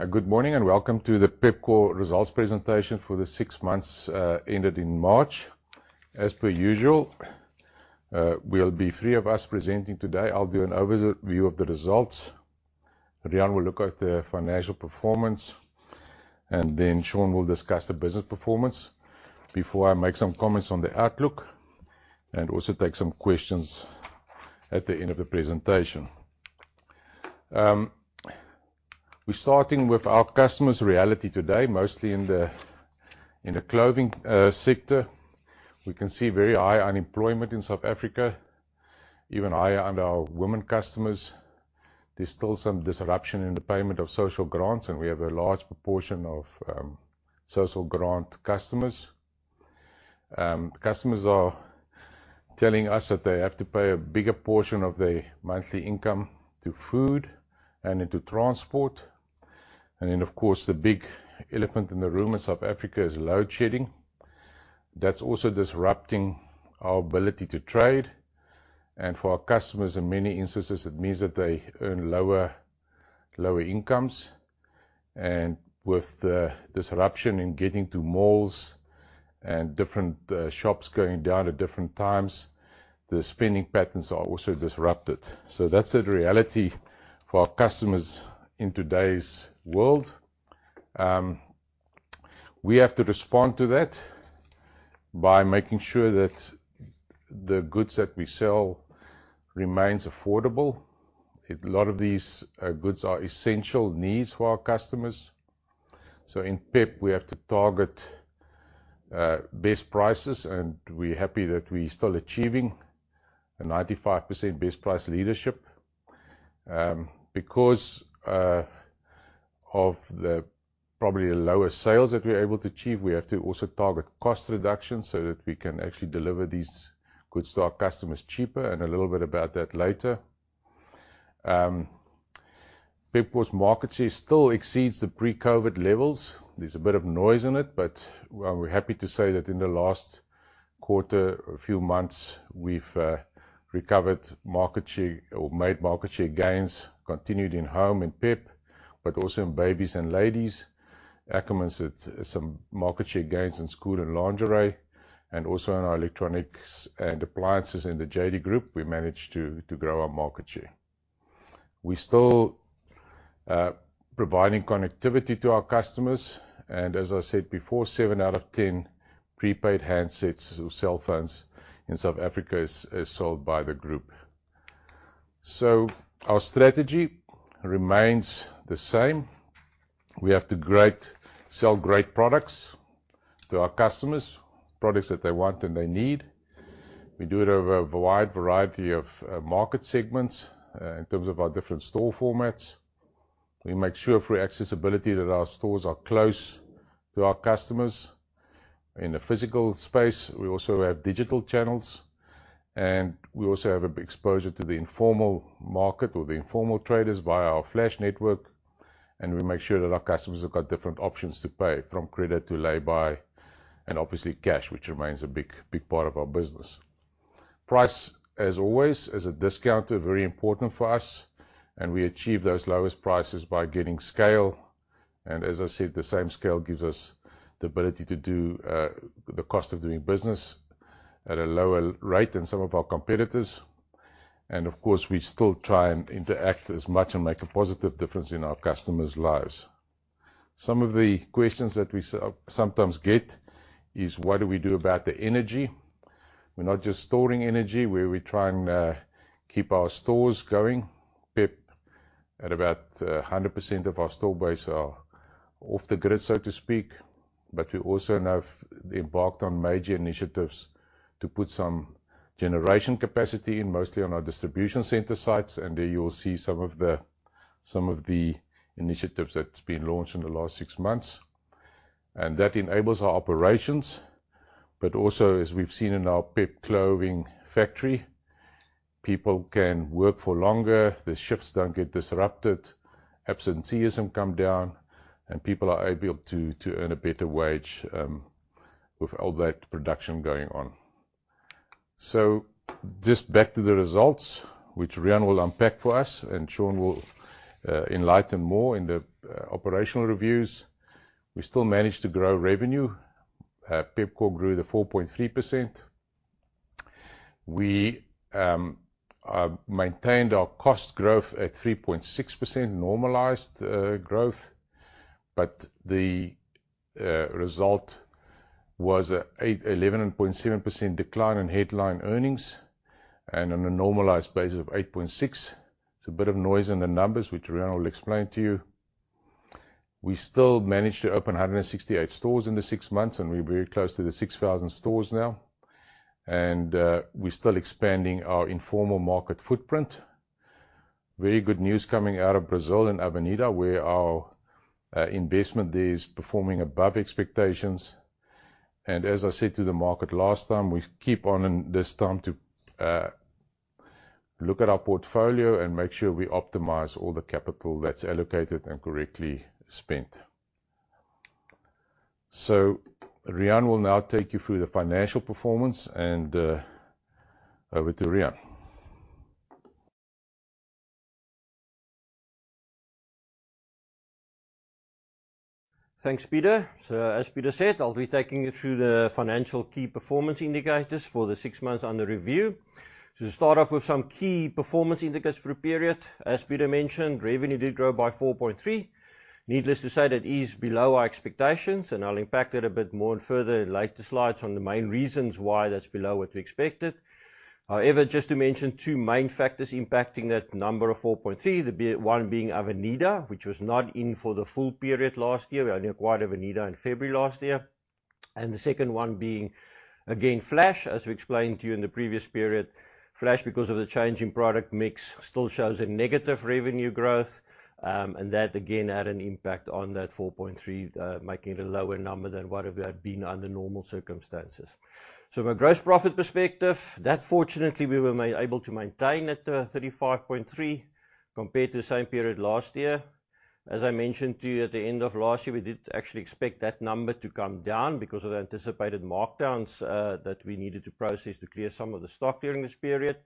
A good morning, and welcome to the Pepkor results presentation for the six months ended in March. As per usual, we'll be three of us presenting today. I'll do an overview of the results. Riaan will look at the financial performance, and then Sean will discuss the business performance before I make some comments on the outlook and also take some questions at the end of the presentation. We're starting with our customer's reality today, mostly in the, in the clothing sector. We can see very high unemployment in South Africa, even higher under our women customers. There's still some disruption in the payment of social grants, and we have a large proportion of social grant customers. Customers are telling us that they have to pay a bigger portion of their monthly income to food and into transport. Then, of course, the big elephant in the room in South Africa is load shedding. That's also disrupting our ability to trade, and for our customers, in many instances, it means that they earn lower incomes. With the disruption in getting to malls and different shops going down at different times, the spending patterns are also disrupted. That's the reality for our customers in today's world. We have to respond to that by making sure that the goods that we sell remains affordable. A lot of these goods are essential needs for our customers. In PEP, we have to target best prices, and we're happy that we're still achieving a 95% best price leadership. Because of the probably lower sales that we're able to achieve, we have to also target cost reductions so that we can actually deliver these goods to our customers cheaper, and a little bit about that later. Pepkor's market share still exceeds the pre-COVID levels. There's a bit of noise in it, but, well, we're happy to say that in the last quarter, or few months, we've recovered market share or made market share gains, continued in Home and PEP, but also in Babies and Ladies. Ackermans had some market share gains in School and Lingerie, and also in our Electronics and Appliances in the JD Group, we managed to grow our market share. We're still providing connectivity to our customers, and as I said before, seven out of 10 prepaid handsets or cellphones in South Africa is sold by the Group. Our strategy remains the same. We have to sell great products to our customers, products that they want and they need. We do it over a wide variety of market segments in terms of our different store formats. We make sure free accessibility, that our stores are close to our customers. In the physical space, we also have digital channels, and we also have exposure to the informal market or the informal traders via our Flash network. We make sure that our customers have got different options to pay, from credit to lay-by and obviously cash, which remains a big, big part of our business. Price, as always, as a discounter, very important for us, and we achieve those lowest prices by getting scale. As I said, the same scale gives us the ability to do the cost of doing business at a lower rate than some of our competitors. Of course, we still try and interact as much and make a positive difference in our customers' lives. Some of the questions that we sometimes get is, What do we do about the energy? We're not just storing energy, where we try and keep our stores going. PEP, at about 100% of our store base are off the grid, so to speak, but we also have embarked on major initiatives to put some generation capacity in, mostly on our distribution center sites. There you will see some of the initiatives that's been launched in the last six months. That enables our operations, but also, as we've seen in our PEP Clothing factory, people can work for longer, the shifts don't get disrupted, absenteeism come down, and people are able to earn a better wage with all that production going on. Just back to the results, which Riaan will unpack for us, and Sean will enlighten more in the operational reviews. We still managed to grow revenue. Pepkor grew to 4.3%. We maintained our cost growth at 3.6% normalized growth, but the result was an 11.7% decline in headline earnings and on a normalized basis of 8.6%. It's a bit of noise in the numbers, which Riaan will explain to you. We still managed to open 168 stores in the six months, and we're very close to the 6,000 stores now. We're still expanding our informal market footprint. Very good news coming out of Brazil and Avenida, where our investment there is performing above expectations. As I said to the market last time, we keep on in this time to look at our portfolio and make sure we optimize all the capital that's allocated and correctly spent. Riaan will now take you through the financial performance, and over to Riaan. Thanks, Pieter. As Pieter said, I'll be taking you through the financial key performance indicators for the six months under review. To start off with some key performance indicators for the period, as Pieter mentioned, revenue did grow by 4.3. Needless to say, that is below our expectations, I'll impact it a bit more in further later slides on the main reasons why that's below what we expected. Just to mention, two main factors impacting that number of 4.3, one being Avenida, which was not in for the full period last year. We only acquired Avenida in February last year. The second one being, again, Flash. As we explained to you in the previous period, Flash, because of the change in product mix, still shows a negative revenue growth, that, again, had an impact on that 4.3%, making it a lower number than what it would have been under normal circumstances. From a gross profit perspective, that fortunately, we were able to maintain at 35.3%, compared to the same period last year. As I mentioned to you at the end of last year, we did actually expect that number to come down because of the anticipated markdowns that we needed to process to clear some of the stock during this period.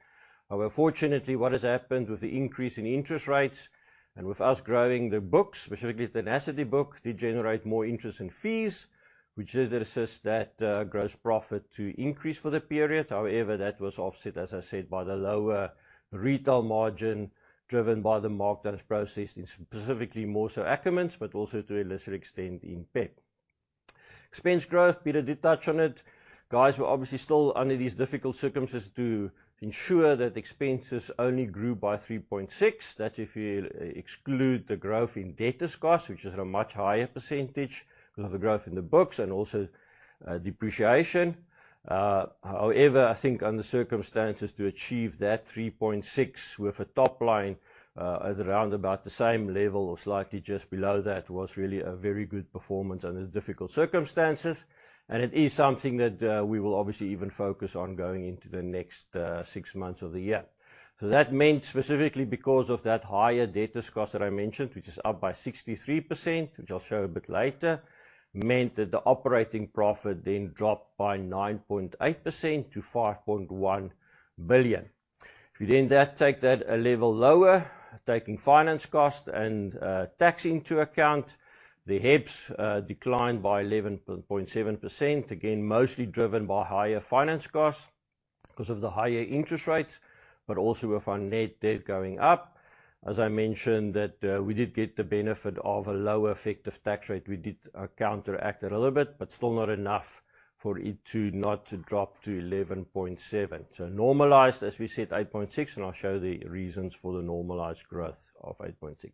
Fortunately, what has happened with the increase in interest rates and with us growing the books, specifically the Tenacity book, did generate more interest and fees, which did assist that Gross Profit to increase for the period. Our EBIT that was offset, as I said, by the lower retail margin, driven by the markdowns processed in specifically more so Ackermans, but also to a lesser extent in PEP. Expense growth, Pieter did touch on it. Guys, we're obviously still under these difficult circumstances to ensure that expenses only grew by 3.6%. That's if you exclude the growth in debtors costs, which is at a much higher percentage because of the growth in the books and also depreciation. However, I think under the circumstances, to achieve that 3.6 with a top line, at around about the same level or slightly just below that, was really a very good performance under the difficult circumstances. It is something that we will obviously even focus on going into the next six months of the year. That meant specifically because of that higher debtors cost that I mentioned, which is up by 63%, which I'll show a bit later, meant that the operating profit then dropped by 9.8% to 5.1 billion. If you take that a level lower, taking finance cost and tax into account, the HEPS declined by 11.7%, again, mostly driven by higher finance costs because of the higher interest rates, but also with our net debt going up. As I mentioned, that, we did get the benefit of a lower effective tax rate. We did, counteract it a little bit, but still not enough for it to not to drop to 11.7. Normalized, as we said, 8.6, and I'll show the reasons for the normalized growth of 8.6.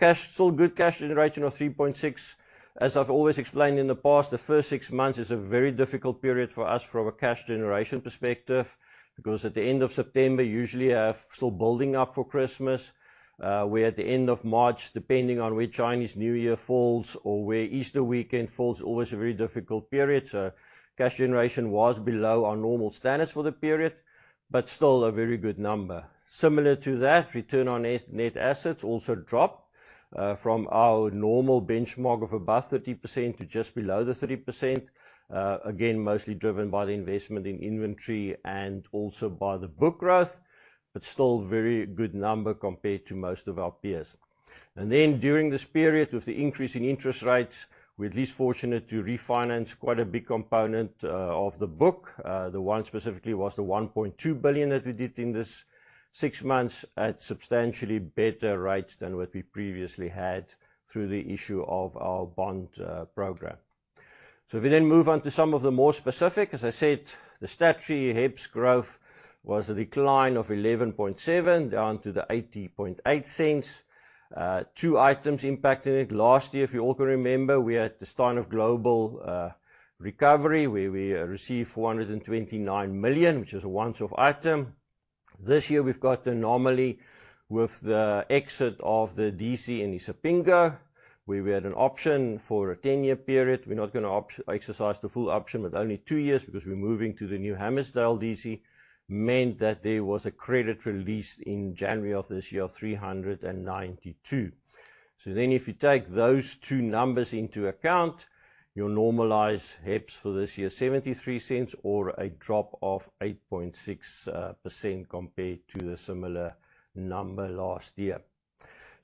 Cash, still good cash generation of 3.6. As I've always explained in the past, the first six months is a very difficult period for us from a cash generation perspective, because at the end of September, usually are still building up for Christmas. Where at the end of March, depending on where Chinese New Year falls or where Easter weekend falls, always a very difficult period. Cash generation was below our normal standards for the period, but still a very good number. Similar to that, return on net assets also dropped from our normal benchmark of above 30% to just below the 30%. Again, mostly driven by the investment in inventory and also by the book growth, but still very good number compared to most of our peers. During this period, with the increase in interest rates, we're at least fortunate to refinance quite a big component of the book. The one specifically was the 1.2 billion that we did in this six months at substantially better rates than what we previously had through the issue of our bond program. We move on to some of the more specific, as I said, the statutory HEPS growth was a decline of 11.7 down to 0.808. Two items impacting it. Last year, if you all can remember, we had the start of global recovery, where we received 429 million, which is a once-off item. This year, we've got the anomaly with the exit of the DC in Isipingo, where we had an option for a 10-year period. We're not gonna exercise the full option, but only two years, because we're moving to the new Hammarsdale DC, meant that there was a credit release in January of this year of 392 million. If you take those two numbers into account, your normalized HEPS for this year, 0.73 or a drop of 8.6%, compared to the similar number last year.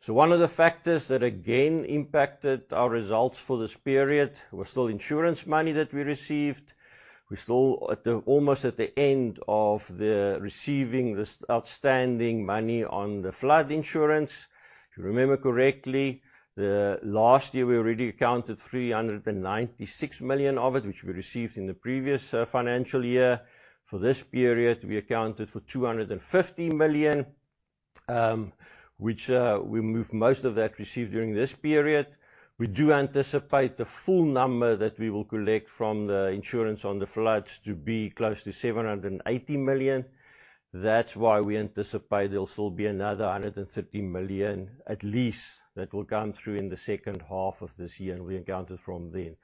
One of the factors that again impacted our results for this period was still insurance money that we received. We're still at the, almost at the end of the receiving this outstanding money on the flood insurance. If you remember correctly, the last year, we already accounted 396 million of it, which we received in the previous financial year. For this period, we accounted for 250 million, which we moved most of that received during this period. We do anticipate the full number that we will collect from the insurance on the floods to be close to 780 million. That's why we anticipate there'll still be another 150 million at least, that will come through in the second half of this year, and we encounter from then.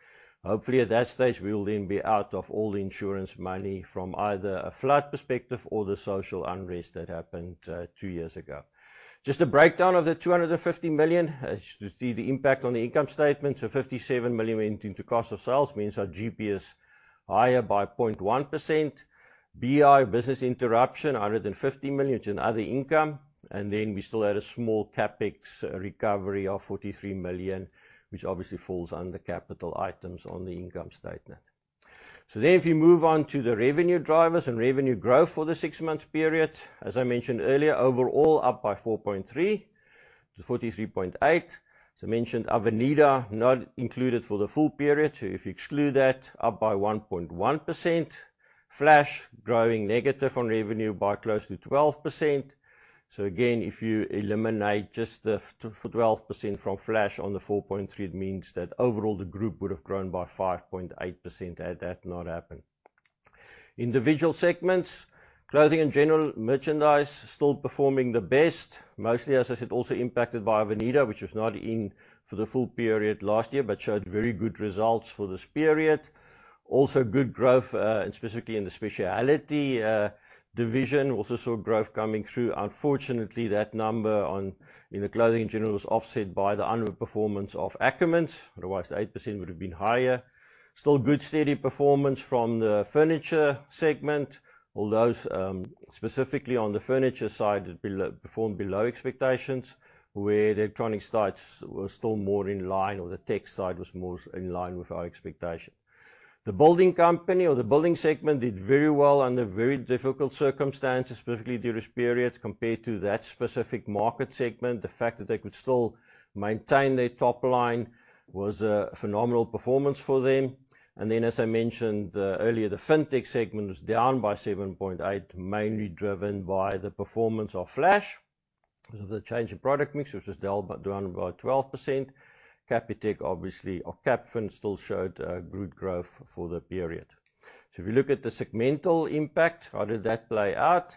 At that stage, we will then be out of all the insurance money from either a flood perspective or the social unrest that happened, two years ago. Just a breakdown of the 250 million, as you see the impact on the income statement. 57 million went into cost of sales, means our GP is higher by 0.1%. BI, business interruption, 150 million, which in other income, we still had a small CapEx recovery of 43 million, which obviously falls under capital items on the income statement. If you move on to the revenue drivers and revenue growth for the six-month period, as I mentioned earlier, overall, up by 4.3% to 43.8 billion. As I mentioned, Avenida, not included for the full period, if you exclude that, up by 1.1%. Flash, growing negative on revenue by close to 12%. Again, if you eliminate just the 12% from Flash on the 4.3%, it means that overall, the group would have grown by 5.8% had that not happened. Individual segments, Clothing and General Merchandise still performing the best. Mostly, as I said, also impacted by Avenida, which was not in for the full period last year, but showed very good results for this period. Good growth, and specifically in the Speciality division, also saw growth coming through. That number in the Clothing and General was offset by the underperformance of Ackermans. The 8% would have been higher. Still good, steady performance from the furniture segment, although specifically on the furniture side, it performed below expectations, where the electronic side was still more in line, or the tech side was more in line with our expectation. The building company or the building segment did very well under very difficult circumstances, specifically during this period. Compared to that specific market segment, the fact that they could still maintain their top line was a phenomenal performance for them. As I mentioned earlier, the FinTech segment was down by 7.8%, mainly driven by the performance of Flash. Because of the change in product mix, which was down by 12%. Capitec, obviously, or Capfin, still showed good growth for the period. If you look at the segmental impact, how did that play out?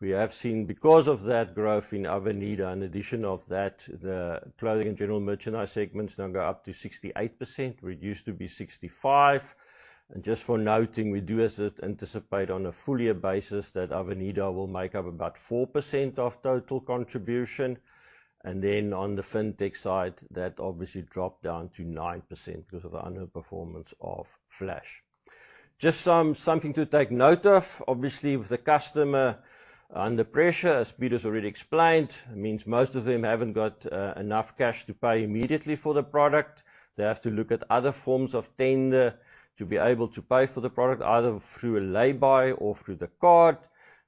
We have seen, because of that growth in Avenida, in addition of that, the Clothing and General Merchandise segments now go up to 68%, where it used to be 65. Just for noting, we do, as I anticipate on a full year basis, that Avenida will make up about 4% of total contribution. On the FinTech side, that obviously dropped down to 9% because of the underperformance of Flash. Just something to take note of, obviously, with the customer under pressure, as Pieter has already explained, it means most of them haven't got enough cash to pay immediately for the product. They have to look at other forms of tender to be able to pay for the product, either through a lay-by or through the card.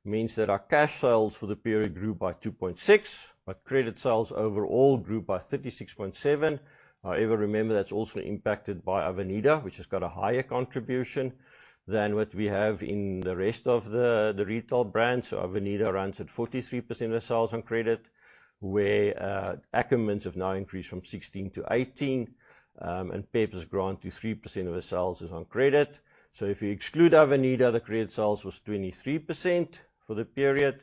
Means that our cash sales for the period grew by 2.6%, but credit sales overall grew by 36.7%. However, remember, that's also impacted by Avenida, which has got a higher contribution than what we have in the rest of the retail brands. Avenida runs at 43% of sales on credit, where Ackermans have now increased from 16% to 18%, and PEP has grown t to 3% of the sales is on credit. If you exclude Avenida, the credit sales was 23% for the period.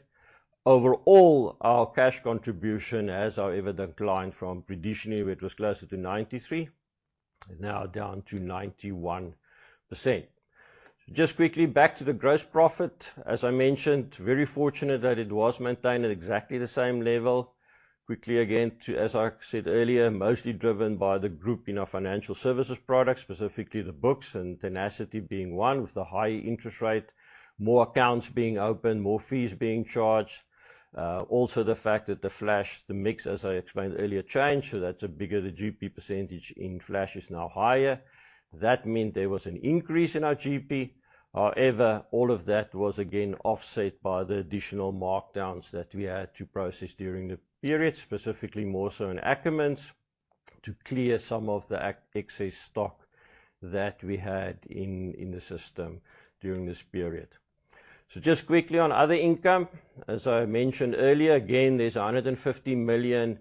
Overall, our cash contribution has however declined from traditionally, where it was closer to 93%, now down to 91%. Just quickly back to the gross profit. As I mentioned, very fortunate that it was maintained at exactly the same level. Quickly, again, as I said earlier, mostly driven by the group in our financial services products, specifically the books and Tenacity being one, with the high interest rate, more accounts being opened, more fees being charged. Also the fact that the Flash, the mix, as I explained earlier, changed. The GP percentage in Flash is now higher. That meant there was an increase in our GP. All of that was again offset by the additional markdowns that we had to process during the period, specifically, more so in Ackermans, to clear some of the excess stock that we had in the system during this period. Just quickly on other income. As I mentioned earlier, again, there's 150 million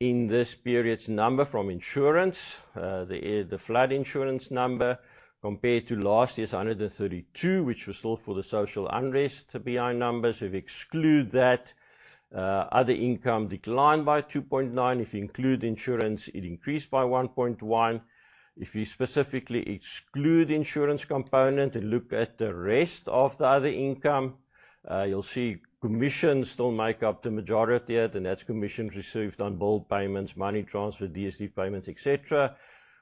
in this period's number from insurance. The flood insurance number compared to last year's 132, which was still for the social unrest BI numbers. If you exclude that, other income declined by 2.9. If you include insurance, it increased by 1.1. If you specifically exclude the insurance component and look at the rest of the other income, you'll see commissions still make up the majority of it, and that's commissions received on bill payments, money transfer, DSD payments, et cetera.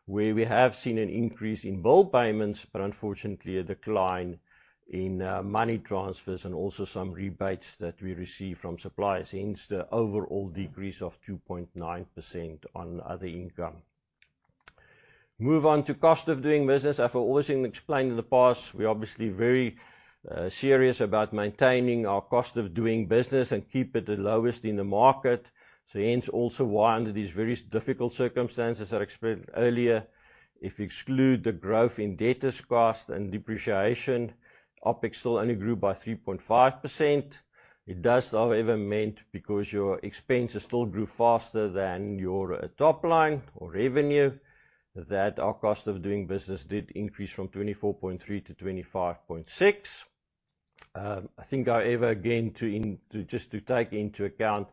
Where we have seen an increase in bill payments, but unfortunately, a decline in money transfers and also some rebates that we receive from suppliers, hence the overall decrease of 2.9% on other income. Move on to cost of doing business. As I've always explained in the past, we're obviously very serious about maintaining our cost of doing business and keep it the lowest in the market. Hence, also why under these very difficult circumstances I explained earlier, if you exclude the growth in debtors cost and depreciation, OpEx still only grew by 3.5%. It does, however, meant because your expenses still grew faster than your top line or revenue, that our cost of doing business did increase from 24.3% to 25.6%. I think however, again, to just to take into account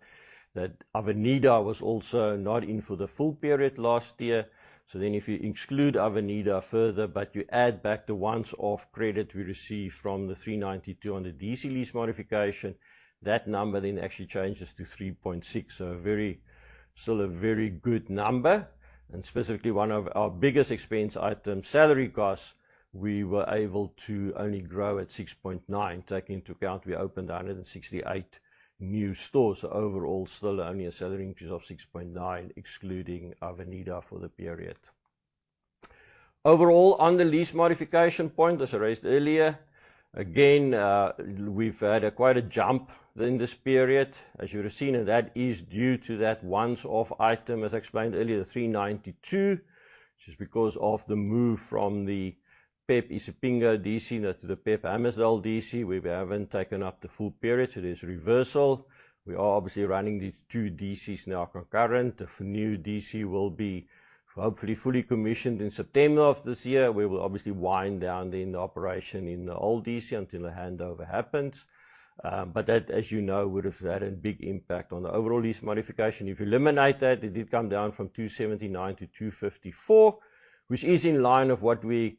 that Avenida was also not in for the full period last year. If you exclude Avenida further, but you add back the once-off credit we received from the 392 on the DC lease modification, that number then actually changes to 3.6%. A very, still a very good number, and specifically one of our biggest expense items, salary costs, we were able to only grow at 6.9%. Take into account we opened 168 new stores. Overall, still only a salary increase of 6.9%, excluding Avenida for the period. On the lease modification point, as I raised earlier, again, we've had a quite a jump in this period, as you would have seen, and that is due to that once-off item, as I explained earlier, the 392, which is because of the move from the PEP Isipingo DC to the PEP Hammarsdale DC, where we haven't taken up the full period, so there's reversal. We are obviously running these two DCs now concurrent. The new DC will be hopefully fully commissioned in September of this year. We will obviously wind down then the operation in the old DC until a handover happens. That, as you know, would have had a big impact on the overall lease modification. If you eliminate that, it did come down from 279–254, which is in line of what we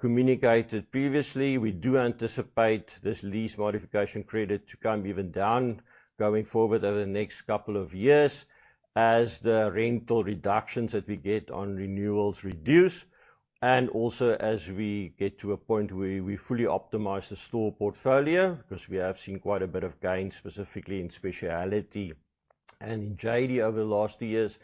communicated previously. We do anticipate this lease modification credit to come even down going forward over the next couple of years, as the rental reductions that we get on renewals reduce, and also as we get to a point where we fully optimize the store portfolio, because we have seen quite a bit of gain, specifically in Speciality and in JD over the last two years,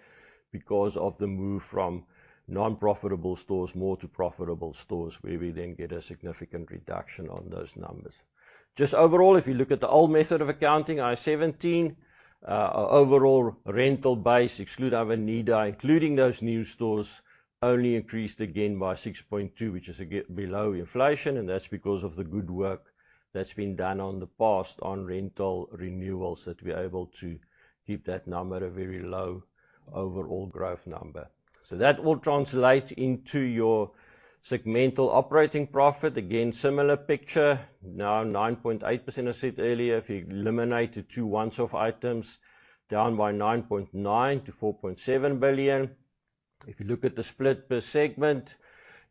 because of the move from non-profitable stores more to profitable stores, where we then get a significant reduction on those numbers. Just overall, if you look at the old method of accounting, IAS 17, our overall rental base, exclude Avenida, including those new stores, only increased again by 6.2, which is, again, below inflation. That's because of the good work that's been done on the past on rental renewals, that we're able to keep that number at a very low overall growth number. That all translates into your segmental operating profit. Again, similar picture, now 9.8%. I said earlier, if you eliminate the two once-off items, down by 9.9 to 4.7 billion. If you look at the split per segment,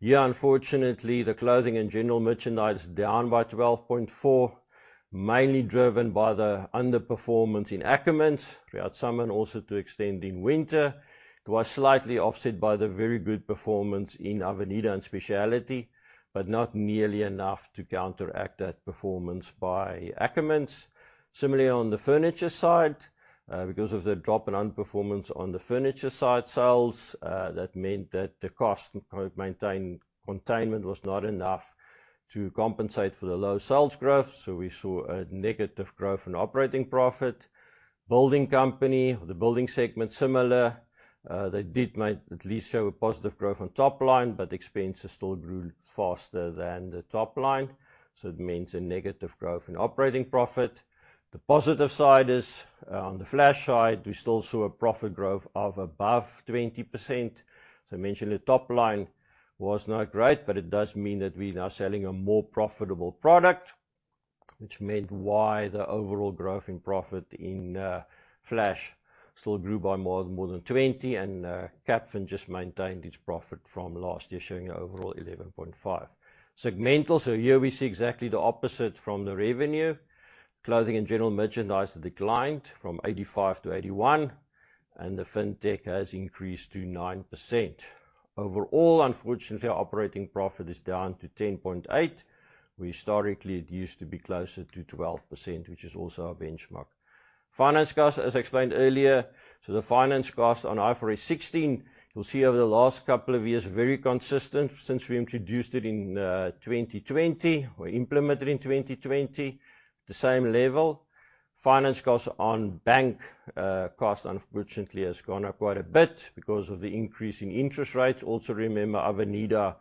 unfortunately, the Clothing and general merchandise is down by 12.4%, mainly driven by the underperformance in Ackermans. We had summer also to extend in winter. It was slightly offset by the very good performance in Avenida and Speciality, but not nearly enough to counteract that performance by Ackermans. Similarly, on the furniture side, because of the drop in underperformance on the furniture side sales, that meant that the cost containment was not enough to compensate for the low sales growth. We saw a negative growth in operating profit. Building company, the building segment, similar. They did at least show a positive growth on top line, but expenses still grew faster than the top line. It means a negative growth in operating profit. The positive side is, on the Flash side, we still saw a profit growth of above 20%. As I mentioned, the top line was not great, it does mean that we're now selling a more profitable product, which meant why the overall growth in profit in Flash still grew by more than 20, and Capfin just maintained its profit from last year, showing an overall 11.5%. Segmental. Here we see exactly the opposite from the revenue. Clothing and general merchandise declined from 85% to 81%, the FinTech has increased to 9%. Overall, unfortunately, our operating profit is down to 10.8%. Historically, it used to be closer to 12%, which is also our benchmark. Finance cost, as I explained earlier. The finance cost on IFRS 16, you'll see over the last couple of years, very consistent since we introduced it in 2020. We implemented in 2020, the same level. Finance cost on bank cost, unfortunately, has gone up quite a bit because of the increasing interest rates. Remember, Avenida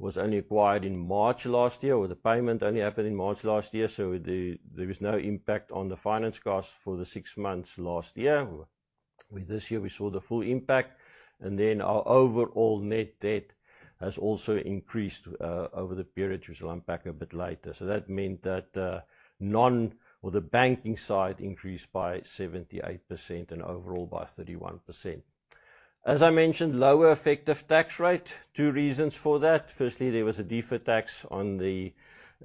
was only acquired in March last year, or the payment only happened in March last year, so there was no impact on the finance cost for the six months last year. With this year, we saw the full impact, and then our overall net debt has also increased over the period, which I'll unpack a bit later. That meant that non, or the banking side increased by 78% and overall by 31%. I mentioned, lower effective tax rate. Two reasons for that. Firstly, there was a defer tax on the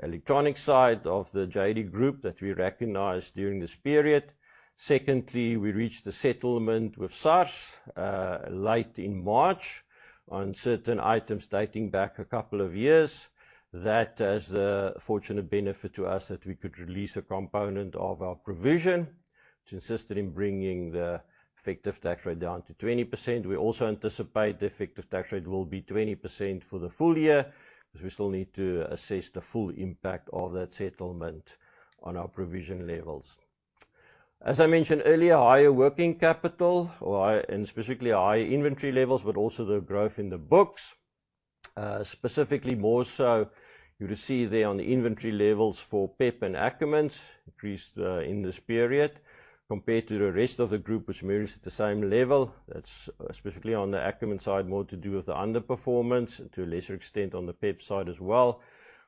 electronic side of the JD Group that we recognized during this period. Secondly, we reached a settlement with SARS late in March, on certain items dating back a couple of years. That has the fortunate benefit to us that we could release a component of our provision, which resulted in bringing the effective tax rate down to 20%. We also anticipate the effective tax rate will be 20% for the full year, because we still need to assess the full impact of that settlement on our provision levels. As I mentioned earlier, higher working capital, and specifically higher inventory levels, but also the growth in the books, specifically more so, you would see there on the inventory levels for PEP and Ackermans increased in this period compared to the rest of the group, which remains at the same level. That's specifically on the Ackermans side, more to do with the underperformance, and to a lesser extent, on the PEP side as well.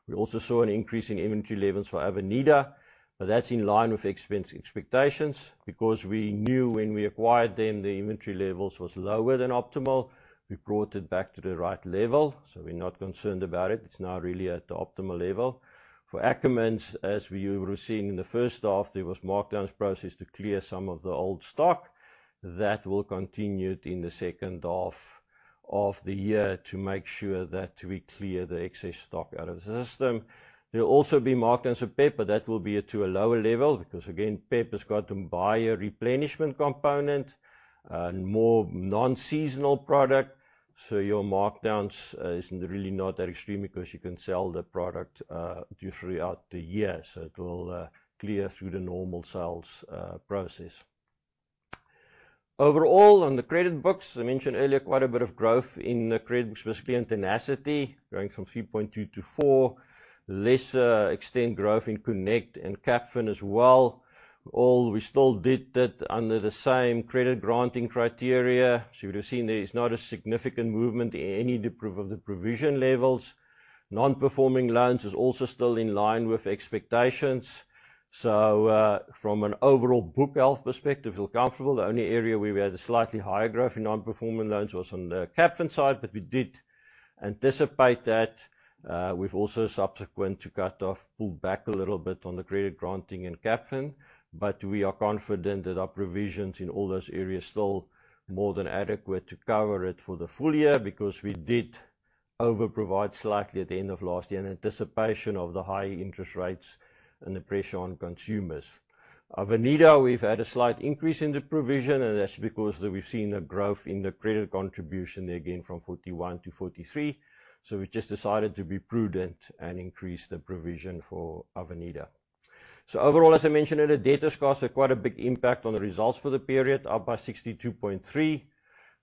We also saw an increase in inventory levels for Avenida, that's in line with expense expectations, because we knew when we acquired them, the inventory levels was lower than optimal. We brought it back to the right level, we're not concerned about it. It's now really at the optimal level. For Ackermans, as we were seeing in the first half, there was markdowns process to clear some of the old stock. That will continue in the second half of the year to make sure that we clear the excess stock out of the system. There'll also be markdowns of PEP, but that will be to a lower level because, again, PEP has got to buy a replenishment component, and more non-seasonal product. Your markdowns is really not that extreme because you can sell the product throughout the year, so it will clear through the normal sales process. Overall, on the credit books, I mentioned earlier, quite a bit of growth in the credit books, specifically in Tenacity, going from 3.2 to 4. Lesser extent growth in Connect and Capfin as well. All we still did that under the same credit granting criteria. You would have seen there is not a significant movement in any of the provision levels. Non-performing loans is also still in line with expectations. From an overall book health perspective, feel comfortable. The only area where we had a slightly higher growth in non-performing loans was on the Capfin side, but we did anticipate that. We've also, subsequent to cut off, pulled back a little bit on the credit granting in Capfin. We are confident that our provisions in all those areas are still more than adequate to cover it for the full year, because we did over provide slightly at the end of last year in anticipation of the high interest rates and the pressure on consumers. Avenida, we've had a slight increase in the provision. That's because we've seen a growth in the credit contribution there, again, from 41 to 43. We just decided to be prudent and increase the provision for Avenida. Overall, as I mentioned earlier, debtors' cost had quite a big impact on the results for the period, up by 62.3%,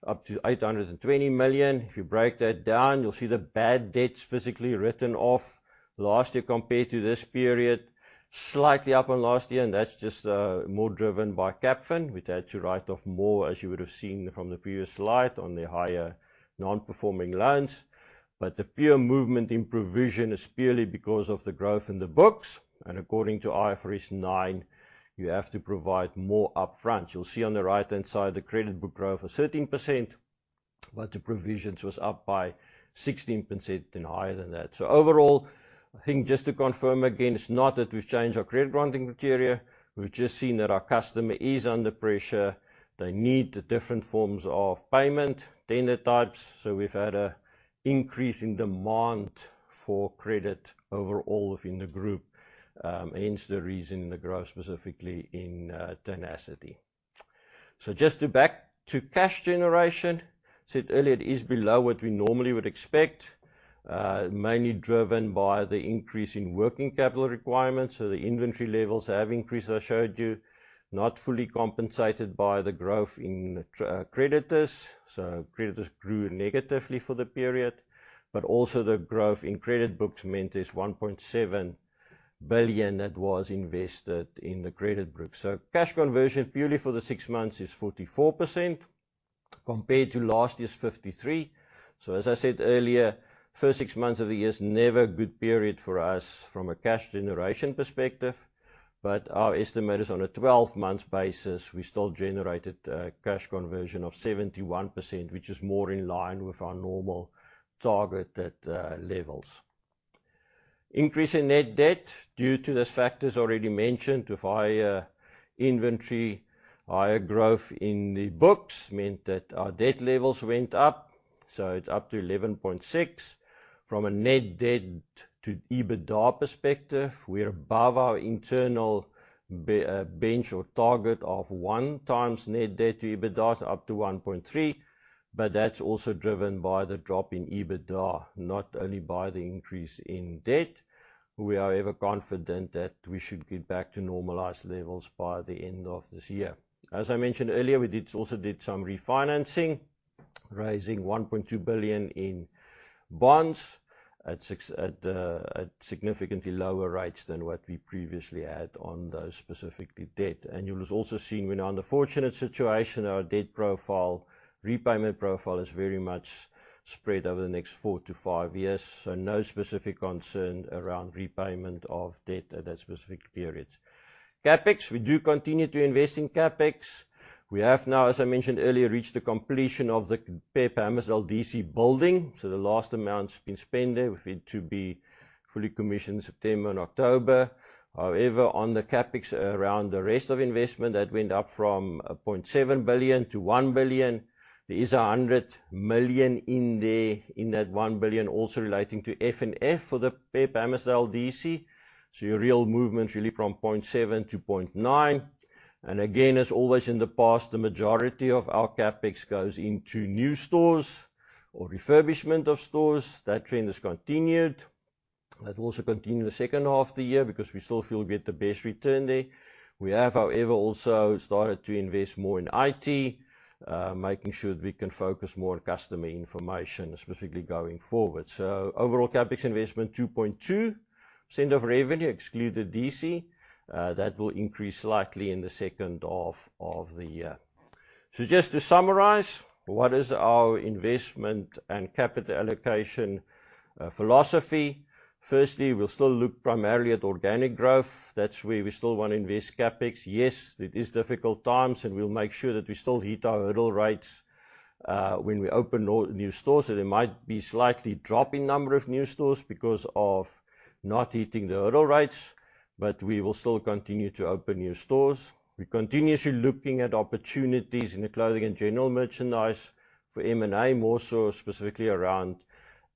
up to 820 million. If you break that down, you'll see the bad debts physically written off last year compared to this period, slightly up on last year, and that's just more driven by Capfin, which had to write off more, as you would have seen from the previous slide, on the higher non-performing loans. The pure movement in provision is purely because of the growth in the books, and according to IFRS 9, you have to provide more upfront. You'll see on the right-hand side, the credit book growth was 13%, but the provisions was up by 16% and higher than that. Overall, I think just to confirm, again, it's not that we've changed our credit granting criteria. We've just seen that our customer is under pressure. They need the different forms of payment, tender types, so we've had a increase in demand for credit overall within the group, hence the reason, the growth specifically in Tenacity. Just to back to cash generation. Said earlier, it is below what we normally would expect, mainly driven by the increase in working capital requirements, so the inventory levels have increased, I showed you. Not fully compensated by the growth in creditors. Creditors grew negatively for the period, but also the growth in credit books meant is 1.7 billion that was invested in the credit book. Cash conversion, purely for the six months, is 44%, compared to last year's 53%. As I said earlier, first six months of the year is never a good period for us from a cash generation perspective. Our estimate is on a 12-month basis, we still generated a cash conversion of 71%, which is more in line with our normal target at levels. Increase in net debt due to those factors already mentioned, with higher inventory, higher growth in the books, meant that our debt levels went up, so it's up to 11.6. From a net debt to EBITDA perspective, we're above our internal bench or target of one times net debt to EBITDA, up to 1.3. That's also driven by the drop in EBITDA, not only by the increase in debt. We are, however, confident that we should get back to normalized levels by the end of this year. As I mentioned earlier, we also did some refinancing, raising 1.2 billion in bonds at significantly lower rates than what we previously had on those specifically debt. You'll have also seen we're in the fortunate situation, our debt profile, repayment profile, is very much spread over the next four to five years. No specific concern around repayment of debt at that specific period. CapEx, we do continue to invest in CapEx. We have now, as I mentioned earlier, reached the completion of the PEP Hammarsdale DC building, so the last amount's been spent there. We've yet to be fully commissioned September and October. On the CapEx, around the rest of investment, that went up from 0.7 billion to 1 billion. There is 100 million in there, in that 1 billion, also relating to F&F for the PEP Amersfoort DC. Your real movement is really from 0.7 to 0.9. Again, as always in the past, the majority of our CapEx goes into new stores or refurbishment of stores. That trend has continued. That will also continue in the second half of the year because we still feel we get the best return there. We have, however, also started to invest more in IT, making sure that we can focus more on customer information, specifically going forward. Overall, CapEx investment, 2.2% of revenue, exclude the DC. That will increase slightly in the second half of the year. Just to summarize, what is our investment and capital allocation philosophy? Firstly, we'll still look primarily at organic growth. That's where we still want to invest CapEx. Yes, it is difficult times, and we'll make sure that we still hit our hurdle rates when we open new stores. There might be slightly drop in number of new stores because of not hitting the hurdle rates, but we will still continue to open new stores. We're continuously looking at opportunities in the Clothing and general merchandise for M&A, more so specifically around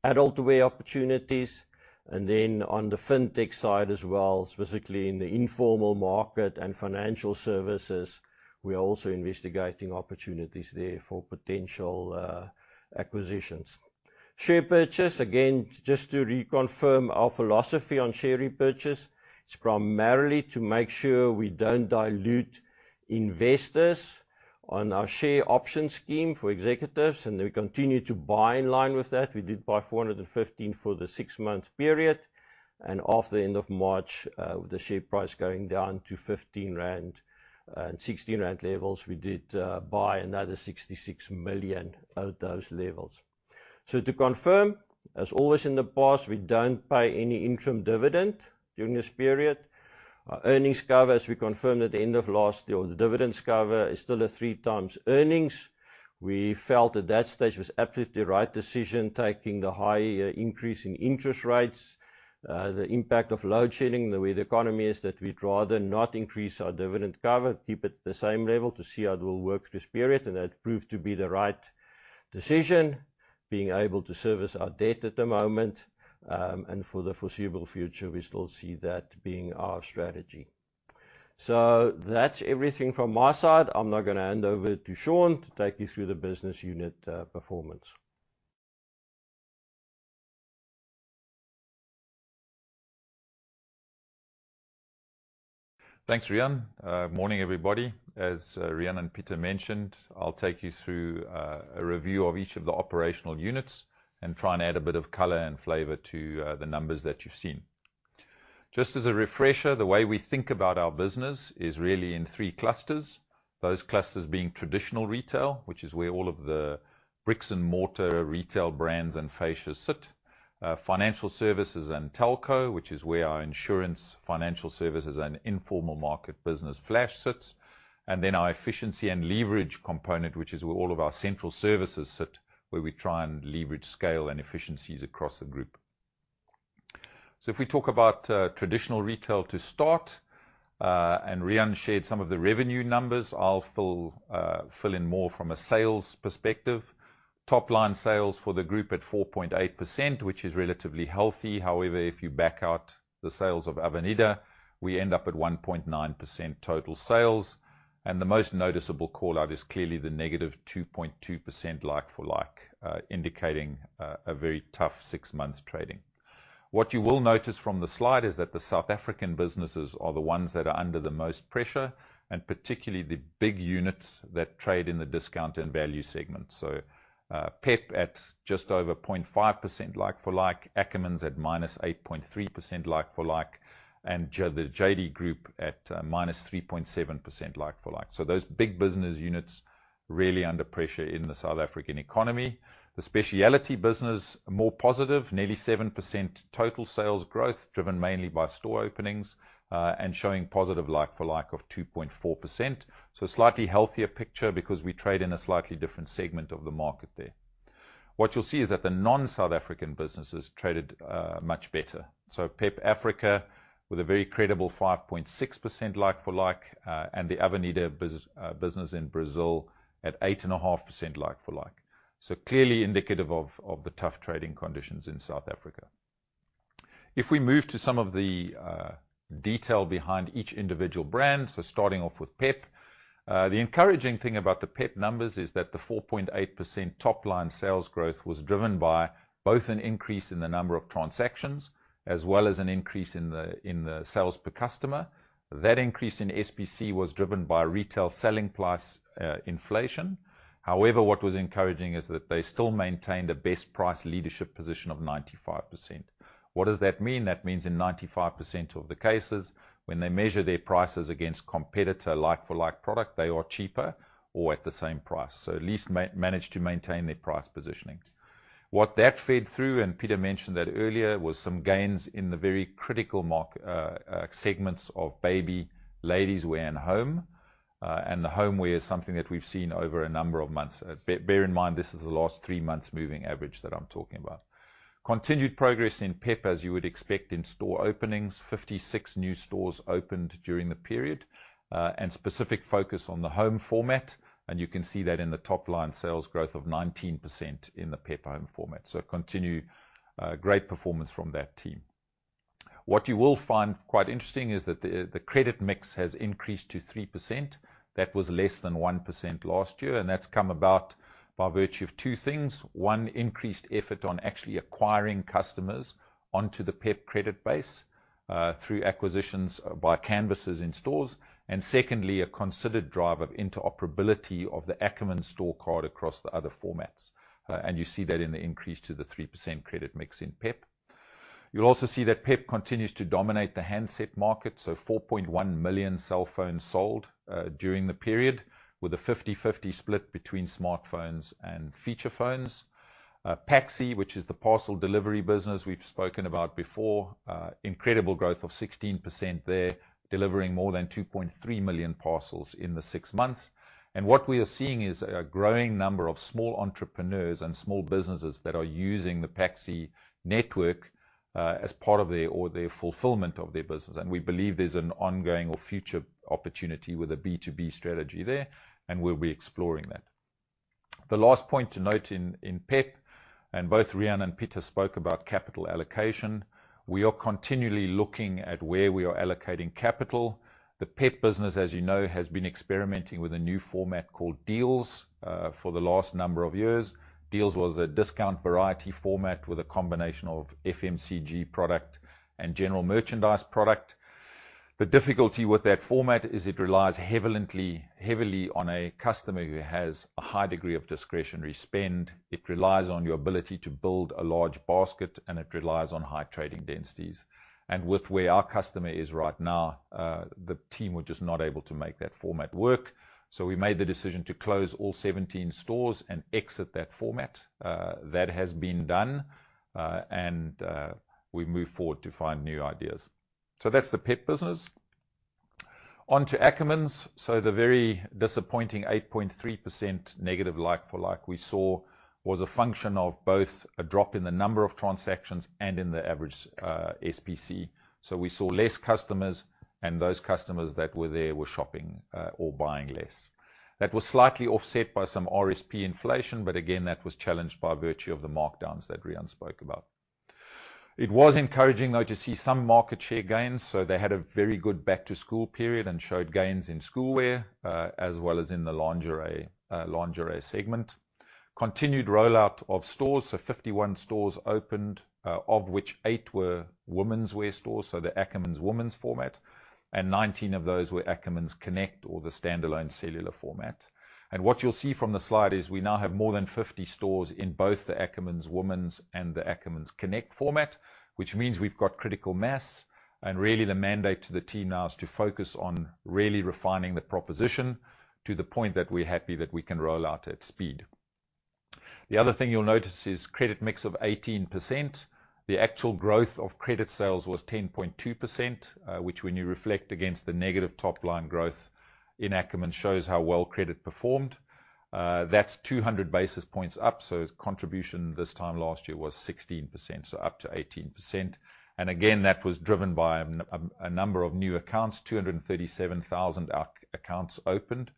adult wear opportunities, and then on the FinTech side as well, specifically in the informal market and financial services. We are also investigating opportunities there for potential acquisitions. Share purchase, again, just to reconfirm our philosophy on share repurchase, it's primarily to make sure we don't dilute investors on our share option scheme for executives, and we continue to buy in line with that. We did buy 415 for the six-month period, and after the end of March, with the share price going down to 15 rand and 16 rand levels, we did buy another 66 million at those levels. To confirm, as always in the past, we don't pay any interim dividend during this period. Our earnings cover, as we confirmed at the end of last year, or the dividends cover, is still at 3x earnings. We felt at that stage it was absolutely the right decision, taking the high increase in interest rates, the impact of load shedding, the way the economy is, that we'd rather not increase our dividend cover, keep it at the same level to see how it will work this period, and that proved to be the right decision. Being able to service our debt at the moment, and for the foreseeable future, we still see that being our strategy. That's everything from my side. I'm now gonna hand over to Sean to take you through the business unit performance. Thanks, Riaan. Morning, everybody. As Riaan and Pieter mentioned, I'll take you through a review of each of the operational units and try and add a bit of color and flavor to the numbers that you've seen. Just as a refresher, the way we think about our business is really in three clusters. Those clusters being traditional retail, which is where all of the bricks and mortar retail brands and fascias sit. Financial services and telco, which is where our insurance, financial services, and informal market business Flash sits. Our efficiency and leverage component, which is where all of our central services sit, where we try and leverage scale and efficiencies across the group. If we talk about traditional retail to start, and Riaan shared some of the revenue numbers, I'll fill in more from a sales perspective. Top-line sales for the group at 4.8%, which is relatively healthy. If you back out the sales of Avenida, we end up at 1.9% total sales, and the most noticeable call-out is clearly the -2.2% like-for-like, indicating a very tough six months trading. What you will notice from the slide is that the South African businesses are the ones that are under the most pressure, and particularly the big units that trade in the discount and value segment. PEP at just over 0.5% like-for-like, Ackermans at -8.3% like-for-like, and The JD Group at -3.7% like-for-like. Those big business units really under pressure in the South African economy. The Speciality business, more positive, nearly 7% total sales growth, driven mainly by store openings, and showing positive like-for-like of 2.4%. A slightly healthier picture because we trade in a slightly different segment of the market there. What you'll see is that the non-South African businesses traded much better. PEP Africa with a very credible 5.6% like-for-like, and the Avenida business in Brazil at 8.5% like-for-like. Clearly indicative of the tough trading conditions in South Africa. If we move to some of the detail behind each individual brand, starting off with PEP. The encouraging thing about the PEP numbers is that the 4.8% top-line sales growth was driven by both an increase in the number of transactions as well as an increase in the sales per customer. That increase in SPC was driven by retail selling price inflation. What was encouraging is that they still maintained a best price leadership position of 95%. What does that mean? That means in 95% of the cases, when they measure their prices against competitor like-for-like product, they are cheaper or at the same price, so at least managed to maintain their price positionings. What that fed through, and Pieter mentioned that earlier, was some gains in the very critical segments of baby, ladies' wear, and home. The homeware is something that we've seen over a number of months. Bear in mind, this is the last three months moving average that I'm talking about. Continued progress in PEP, as you would expect in store openings. 56 new stores opened during the period, and specific focus on the home format, and you can see that in the top-line sales growth of 19% in the PEP Home format. Continued great performance from that team. What you will find quite interesting is that the credit mix has increased to 3%. That was less than 1% last year, and that's come about by virtue of two things. One, increased effort on actually acquiring customers onto the PEP credit base, through acquisitions by canvases in stores, and secondly, a considered drive of interoperability of the Ackermans store card across the other formats. You see that in the increase to the 3% credit mix in PEP. You'll also see that PEP continues to dominate the handset market, 4.1 million cell phones sold during the period, with a 50/50 split between smartphones and feature phones. PAXI, which is the parcel delivery business we've spoken about before, incredible growth of 16% there, delivering more than 2.3 million parcels in the six months. What we are seeing is a growing number of small entrepreneurs and small businesses that are using the PAXI network as part of their or their fulfillment of their business, and we believe there's an ongoing or future opportunity with a B2B strategy there, and we'll be exploring that. The last point to note in PEP, both Riaan and Pieter spoke about capital allocation. We are continually looking at where we are allocating capital. The PEP business, as you know, has been experimenting with a new format called Deals, for the last number of years. Deals was a discount variety format with a combination of FMCG product and general merchandise product. The difficulty with that format is it relies heavily on a customer who has a high degree of discretionary spend. It relies on your ability to build a large basket, and it relies on high trading densities. With where our customer is right now, the team were just not able to make that format work. We made the decision to close all 17 stores and exit that format. That has been done, and we move forward to find new ideas. That's the PEP business. On to Ackermans. The very disappointing 8.3% negative like for like we saw, was a function of both a drop in the number of transactions and in the average SPC. We saw less customers, and those customers that were there were shopping or buying less. That was slightly offset by some RSP inflation, but again, that was challenged by virtue of the markdowns that Riaan spoke about. It was encouraging, though, to see some market share gains, so they had a very good back to school period and showed gains in school wear, as well as in the lingerie segment. Continued rollout of stores, so 51 stores opened, of which 8 were womenswear stores, so the Ackermans Woman format, and 19 of those were Ackermans Connect or the standalone cellular format. What you'll see from the slide is we now have more than 50 stores in both the Ackermans Woman and the Ackermans Connect format, which means we've got critical mass, and really the mandate to the team now is to focus on really refining the proposition to the point that we're happy that we can roll out at speed. The other thing you'll notice is credit mix of 18%. The actual growth of credit sales was 10.2%, which when you reflect against the negative top line growth in Ackermans, shows how well credit performed. That's 200 basis points up, so contribution this time last year was 16%, so up to 18%. Again, that was driven by a number of new accounts, 237,000 accounts opened,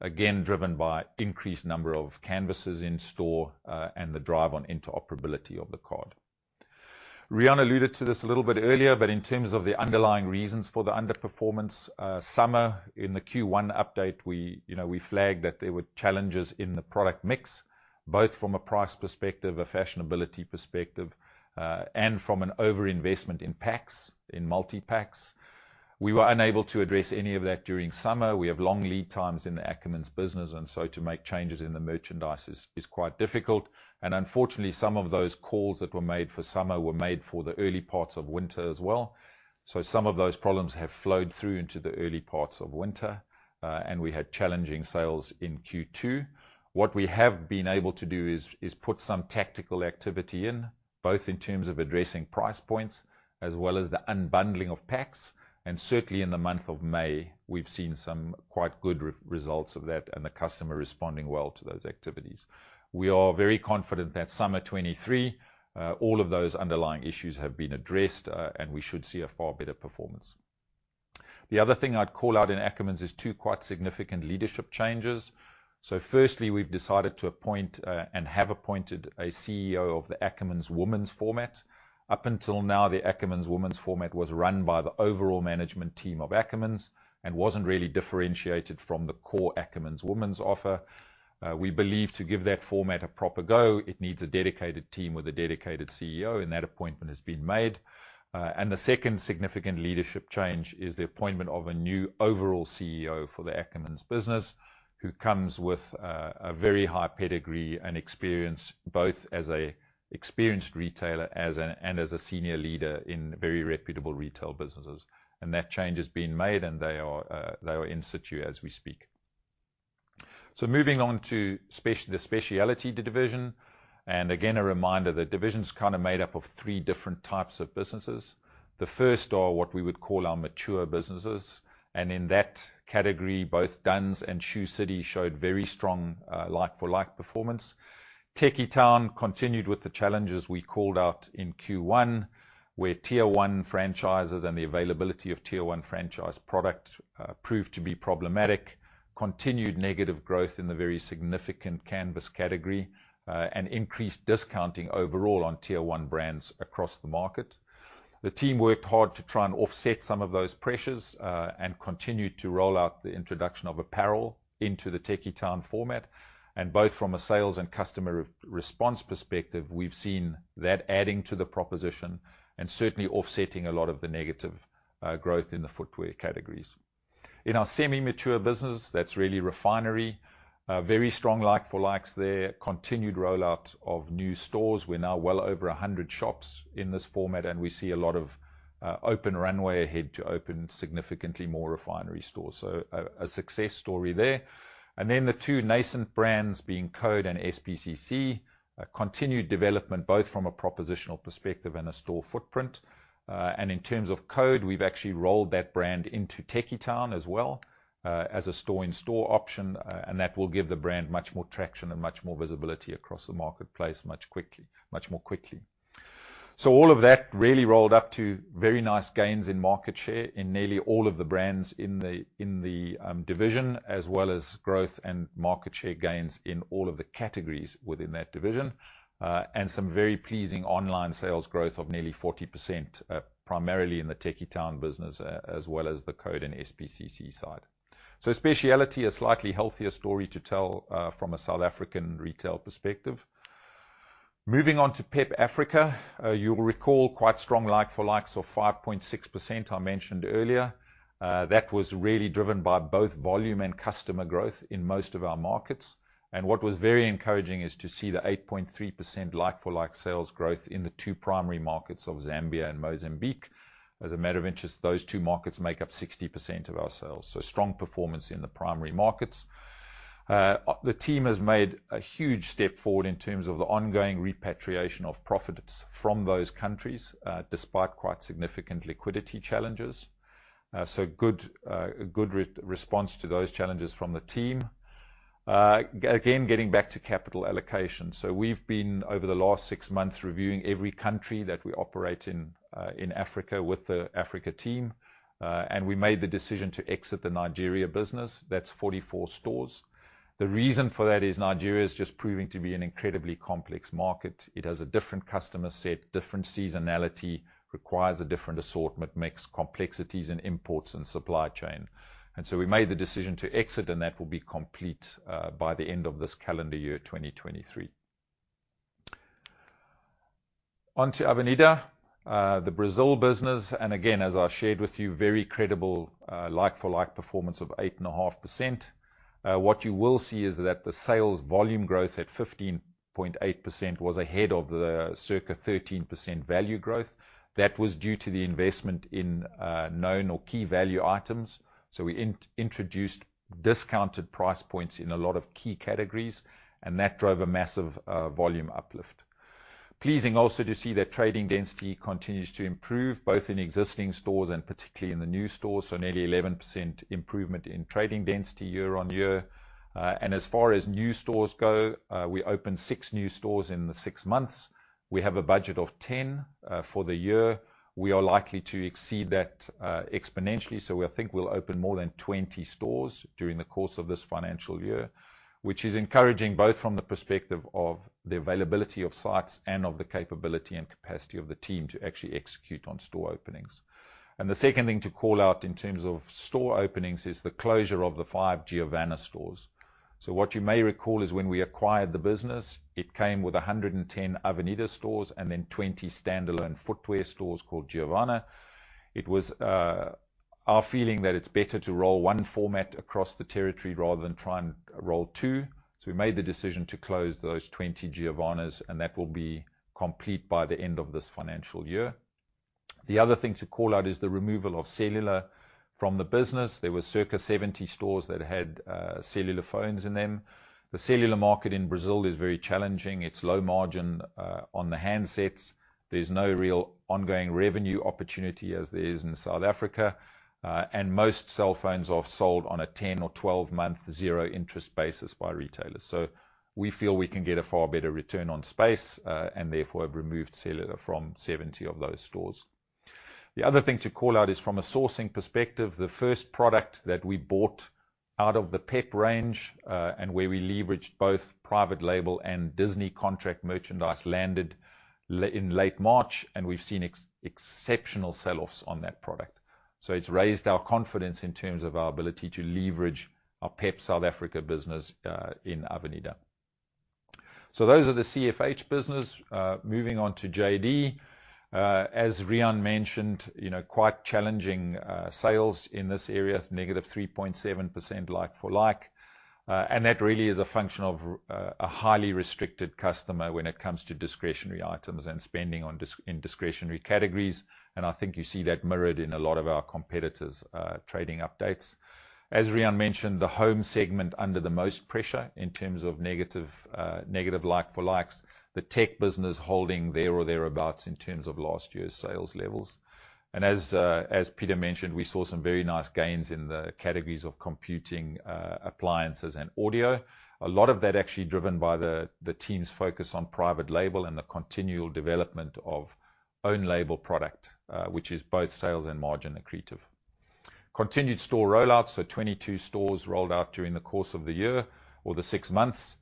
again, driven by increased number of canvases in store, and the drive on interoperability of the card. Riaan alluded to this a little bit earlier. In terms of the underlying reasons for the underperformance, summer in the Q1 update, we, you know, we flagged that there were challenges in the product mix, both from a price perspective, a fashionability perspective, and from an overinvestment in packs, in multi-packs. We were unable to address any of that during summer. We have long lead times in the Ackermans business, and so to make changes in the merchandise is quite difficult, and unfortunately, some of those calls that were made for summer were made for the early parts of winter as well. Some of those problems have flowed through into the early parts of winter, and we had challenging sales in Q2. What we have been able to do is put some tactical activity in, both in terms of addressing price points as well as the unbundling of packs, and certainly in the month of May, we've seen some quite good results of that and the customer responding well to those activities. We are very confident that summer 2023, all of those underlying issues have been addressed, and we should see a far better performance. The other thing I'd call out in Ackermans is two quite significant leadership changes. Firstly, we've decided to appoint and have appointed a CEO of the Ackermans Woman format. Up until now, the Ackermans Woman format was run by the overall management team of Ackermans and wasn't really differentiated from the core Ackermans Woman offer. We believe to give that format a proper go, it needs a dedicated team with a dedicated CEO, and that appointment has been made. The second significant leadership change is the appointment of a new overall CEO for the Ackermans business, who comes with a very high pedigree and experience, both as a experienced retailer, and as a senior leader in very reputable retail businesses. That change has been made, and they are, they are in situ as we speak. Moving on to the Speciality division, and again, a reminder, the division's kind of made up of three different types of businesses. The first are what we would call our mature businesses, and in that category, both Dunns and Shoe City showed very strong like-for-like performance. Tekkie Town continued with the challenges we called out in Q1, where Tier 1 franchises and the availability of Tier 1 franchise product proved to be problematic, continued negative growth in the very significant canvas category, and increased discounting overall on Tier 1 brands across the market. The team worked hard to try and offset some of those pressures, and continued to roll out the introduction of apparel into the Tekkie Town format, and both from a sales and customer re-response perspective, we've seen that adding to the proposition and certainly offsetting a lot of the negative growth in the footwear categories. In our semi-mature business, that's really Refinery, very strong like for likes there, continued rollout of new stores. We're now well over 100 shops in this format. We see a lot of open runway ahead to open significantly more Refinery stores. A success story there. The two nascent brands being CODE and S.P.C.C, continued development, both from a propositional perspective and a store footprint. In terms of CODE, we've actually rolled that brand into Tekkie Town as well, as a store-in-store option, and that will give the brand much more traction and much more visibility across the marketplace, much more quickly. All of that really rolled up to very nice gains in market share in nearly all of the brands in the, in the division, as well as growth and market share gains in all of the categories within that division, and some very pleasing online sales growth of nearly 40%, primarily in the Tekkie Town business as well as the CODE and S.P.C.C side. Speciality, a slightly healthier story to tell from a South African retail perspective. Moving on to PEP Africa, you will recall quite strong like for likes of 5.6% I mentioned earlier. That was really driven by both volume and customer growth in most of our markets, and what was very encouraging is to see the 8.3% like for like sales growth in the two primary markets of Zambia and Mozambique. As a matter of interest, those two markets make up 60% of our sales, strong performance in the primary markets. The team has made a huge step forward in terms of the ongoing repatriation of profits from those countries, despite quite significant liquidity challenges. Good, good re-response to those challenges from the team. Again, getting back to capital allocation. We've been, over the last six months, reviewing every country that we operate in Africa with the Africa team, and we made the decision to exit the Nigeria business. That's 44 stores. The reason for that is Nigeria is just proving to be an incredibly complex market. It has a different customer set, different seasonality, requires a different assortment, makes complexities in imports and supply chain. We made the decision to exit, and that will be complete by the end of this calendar year, 2023. On to Avenida, the Brazil business. As I shared with you, very credible like-for-like performance of 8.5%. What you will see is that the sales volume growth at 15.8% was ahead of the circa 13% value growth. That was due to the investment in known or key value items. We in-introduced discounted price points in a lot of key categories, and that drove a massive volume uplift. Pleasing also to see that trading density continues to improve, both in existing stores and particularly in the new stores. Nearly 11% improvement in trading density year-over-year. As far as new stores go, we opened six new stores in the six months. We have a budget of 10 for the year. We are likely to exceed that exponentially, we think we'll open more than 20 stores during the course of this financial year, which is encouraging both from the perspective of the availability of sites and of the capability and capacity of the team to actually execute on store openings. The second thing to call out in terms of store openings is the closure of the five Giovanna stores. What you may recall is when we acquired the business, it came with 110 Avenida stores 20 standalone footwear stores called Giovanna. It was our feeling that it's better to roll one format across the territory rather than try and roll two. We made the decision to close those 20 Giovannas, and that will be complete by the end of this financial year. The other thing to call out is the removal of cellular from the business. There were circa 70 stores that had cellular phones in them. The cellular market in Brazil is very challenging. It's low margin on the handsets. There's no real ongoing revenue opportunity as there is in South Africa, and most cell phones are sold on a 10 or 12-month zero interest basis by retailers. We feel we can get a far better return on space, and therefore, have removed cellular from 70 of those stores. The other thing to call out is from a sourcing perspective, the first product that we bought out of the PEP range, and where we leveraged both private label and Disney contract merchandise, landed in late March, and we've seen exceptional sell-offs on that product. It's raised our confidence in terms of our ability to leverage our PEP South Africa business in Avenida. Those are the CFH business. Moving on to JD. As Riaan mentioned, you know, quite challenging sales in this area, negative 3.7% like for like. That really is a function of a highly restricted customer when it comes to discretionary items and spending in discretionary categories, and I think you see that mirrored in a lot of our competitors' trading updates. As Riaan mentioned, the home segment under the most pressure in terms of negative like-for-likes. The tech business holding there or thereabouts in terms of last year's sales levels. As Pieter mentioned, we saw some very nice gains in the categories of computing, appliances, and audio. A lot of that actually driven by the team's focus on private label and the continual development of own label product, which is both sales and margin accretive. Continued store rollouts, so 22 stores rolled out during the course of the year or the six months.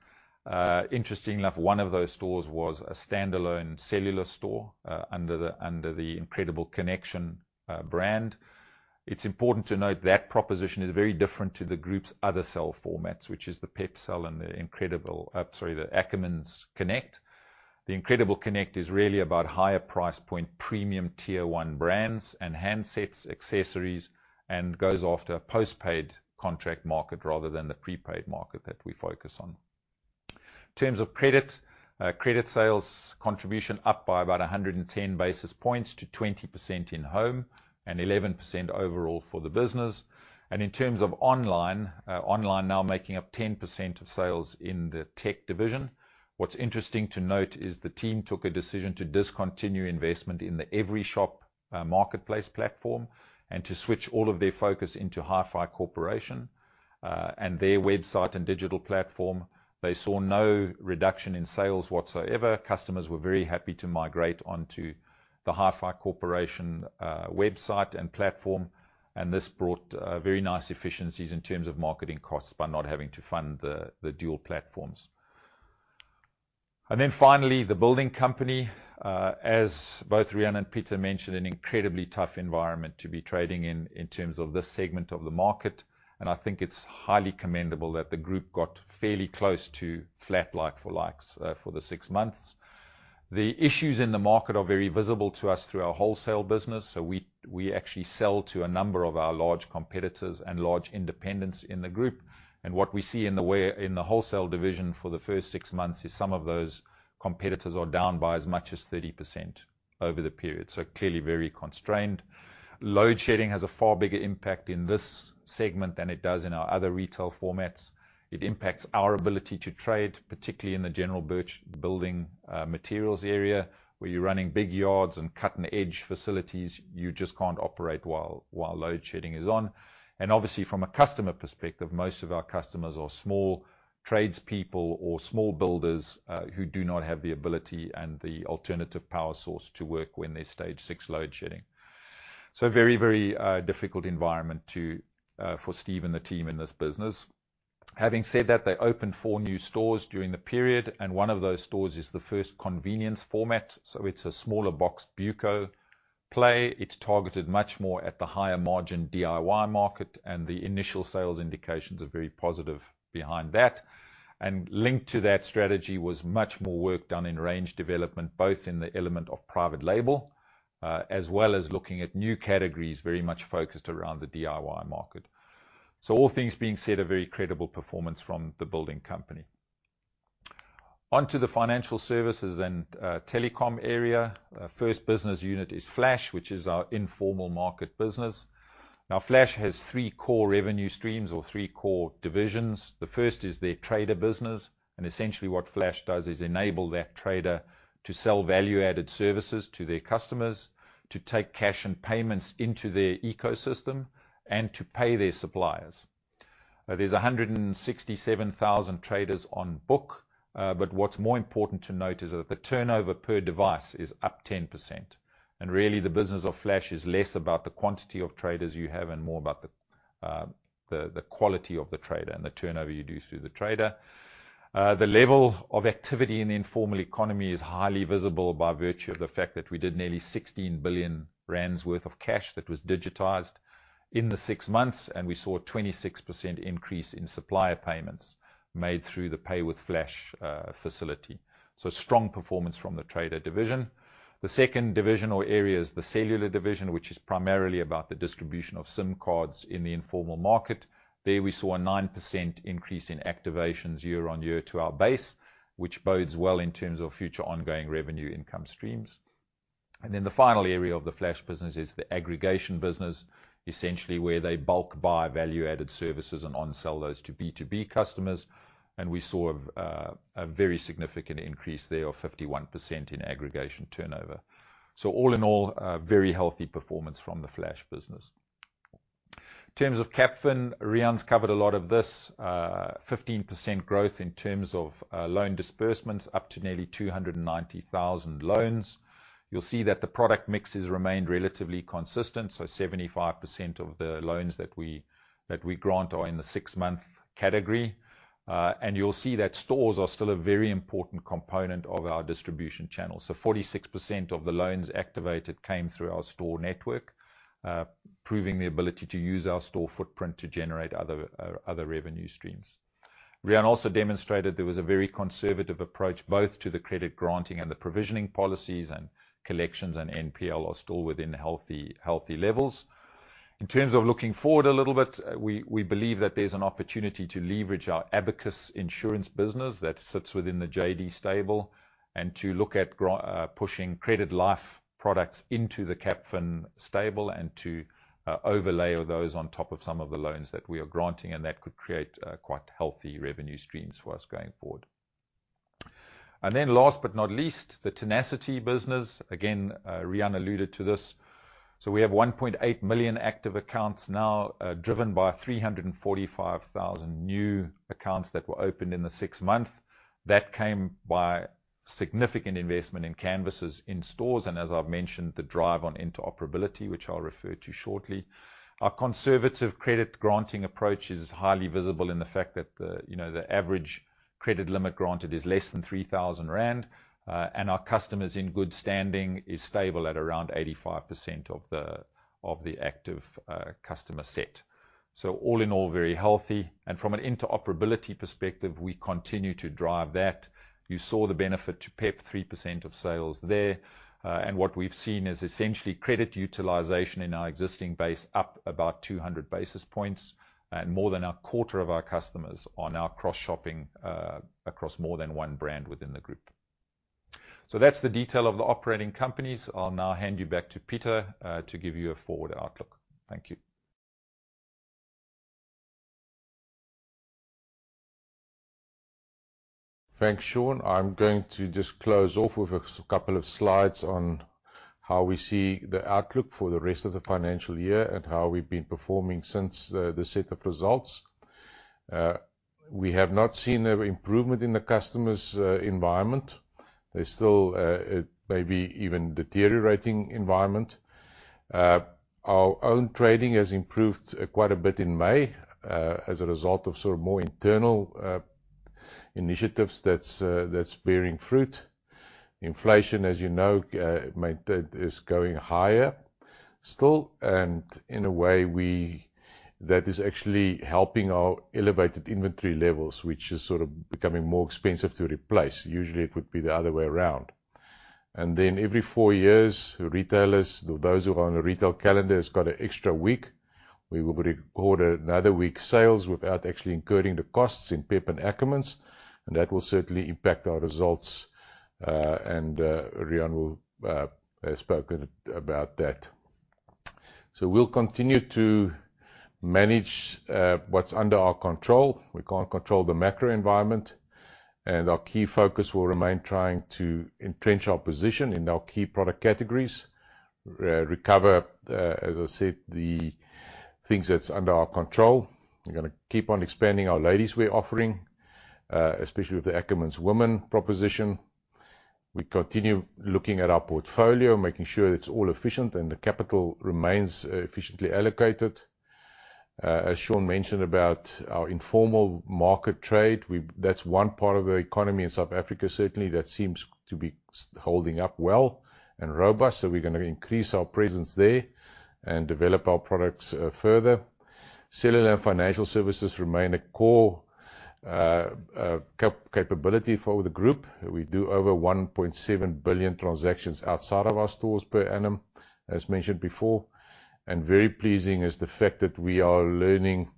Interestingly enough, one of those stores was a standalone cellular store, under the Incredible Connection brand. It's important to note that proposition is very different to the group's other cell formats, which is the PEP Cell and the Incredible... sorry, the Ackermans Connect. The Incredible Connect is really about higher price point, premium Tier 1 brands and handsets, accessories, and goes after a post-paid contract market rather than the prepaid market that we focus on. In terms of credit sales contribution up by about 110 basis points to 20% in home and 11% overall for the business. In terms of online now making up 10% of sales in the tech division. What's interesting to note is the team took a decision to discontinue investment in the Everyshop, marketplace platform, and to switch all of their focus into HiFi Corporation, and their website and digital platform. They saw no reduction in sales whatsoever. Customers were very happy to migrate onto the HiFi Corporation website and platform, this brought very nice efficiencies in terms of marketing costs by not having to fund the dual platforms. Finally, the building company, as both Riaan and Pieter mentioned, an incredibly tough environment to be trading in terms of this segment of the market, and I think it's highly commendable that the group got fairly close to flat like-for-likes for the six months. The issues in the market are very visible to us through our wholesale business, so we actually sell to a number of our large competitors and large independents in the group. What we see in the wholesale division for the first six months, is some of those competitors are down by as much as 30% over the period, so clearly very constrained. Load shedding has a far bigger impact in this segment than it does in our other retail formats. It impacts our ability to trade, particularly in the General building materials area, where you're running big yards and cut and edge facilities, you just can't operate while load shedding is on. Obviously, from a customer perspective, most of our customers are small tradespeople or small builders who do not have the ability and the alternative power source to work when there's stage six load shedding. A very, very difficult environment to for Steve and the team in this business. Having said that, they opened four new stores during the period. One of those stores is the first convenience format. It's a smaller box BUCO play. It's targeted much more at the higher margin DIY market. The initial sales indications are very positive behind that. Linked to that strategy was much more work done in range development, both in the element of private label, as well as looking at new categories, very much focused around the DIY market. All things being said, a very credible performance from the building company. Onto the financial services and telecom area. First business unit is Flash, which is our informal market business. Now, Flash has three-core revenue streams or three-core divisions. The first is their trader business, and essentially what Flash does is enable that trader to sell value-added services to their customers, to take cash and payments into their ecosystem, and to pay their suppliers. There's 167,000 traders on book, but what's more important to note is that the turnover per device is up 10%. Really, the business of Flash is less about the quantity of traders you have and more about the quality of the trader and the turnover you do through the trader. The level of activity in the informal economy is highly visible by virtue of the fact that we did nearly 16 billion rand worth of cash that was digitized in the six months, and we saw a 26% increase in supplier payments made through the Pay with Flash facility. Strong performance from the trader division. The second division or area is the cellular division, which is primarily about the distribution of SIM cards in the informal market. There we saw a 9% increase in activations year on year to our base, which bodes well in terms of future ongoing revenue income streams. The final area of the Flash business is the aggregation business, essentially where they bulk buy value-added services and onsell those to B2B customers, and we saw a very significant increase there of 51% in aggregation turnover. All in all, a very healthy performance from the Flash business. In terms of Capfin, Riaan's covered a lot of this. 15% growth in terms of loan disbursements, up to nearly 290,000 loans. You'll see that the product mixes remained relatively consistent, so 75% of the loans that we grant are in the six-month category. You'll see that stores are still a very important component of our distribution channel. 46% of the loans activated came through our store network, proving the ability to use our store footprint to generate other revenue streams. Riaan also demonstrated there was a very conservative approach, both to the credit granting and the provisioning policies, and collections, and NPL are still within healthy levels. In terms of looking forward a little bit, we believe that there's an opportunity to leverage our Abacus Insurance business that sits within the JD stable, and to look at pushing credit life products into the Capfin stable, and to overlay those on top of some of the loans that we are granting, and that could create quite healthy revenue streams for us going forward. Last but not least, the Tenacity business. Again, Riaan alluded to this. We have 1.8 million active accounts now, driven by 345,000 new accounts that were opened in the sixth month. That came by significant investment in canvases, in stores, and as I've mentioned, the drive on interoperability, which I'll refer to shortly. Our conservative credit granting approach is highly visible in the fact that the, you know, the average credit limit granted is less than 3,000 rand, and our customers in good standing is stable at around 85% of the, of the active, customer set. All in all, very healthy. From an interoperability perspective, we continue to drive that. You saw the benefit to PEP, 3% of sales there. What we've seen is essentially credit utilization in our existing base up about 200 basis points, and more than a quarter of our customers are now cross-shopping, across more than one brand within the group. That's the detail of the operating companies. I'll now hand you back to Pieter, to give you a forward outlook. Thank you. Thanks, Sean. I'm going to just close off with a couple of slides on how we see the outlook for the rest of the financial year and how we've been performing since the set of results. We have not seen an improvement in the customers' environment. There's still a maybe even deteriorating environment. Our own trading has improved quite a bit in May as a result of sort of more internal initiatives that's bearing fruit. Inflation, as you know, maintained, is going higher still, and in a way, that is actually helping our elevated inventory levels, which is sort of becoming more expensive to replace. Usually, it would be the other way around. Every four years, retailers, those who are on a retail calendar, has got an extra week. We will reorder another week's sales without actually incurring the costs in PEP and Ackermans, and that will certainly impact our results, and Riaan will has spoken about that. We'll continue to manage what's under our control. We can't control the macro environment, and our key focus will remain trying to entrench our position in our key product categories. Recover, as I said, the things that's under our control. We're gonna keep on expanding our ladies wear offering, especially with the Ackermans Woman proposition. We continue looking at our portfolio, making sure it's all efficient and the capital remains efficiently allocated. As Sean mentioned about our informal market trade, that's one part of the economy in South Africa, certainly that seems to be holding up well and robust, so we're gonna increase our presence there and develop our products further. Cellullar and financial services remain a core capability for the group. We do over 1.7 billion transactions outside of our stores per annum, as mentioned before. Very pleasing is the fact that we are learning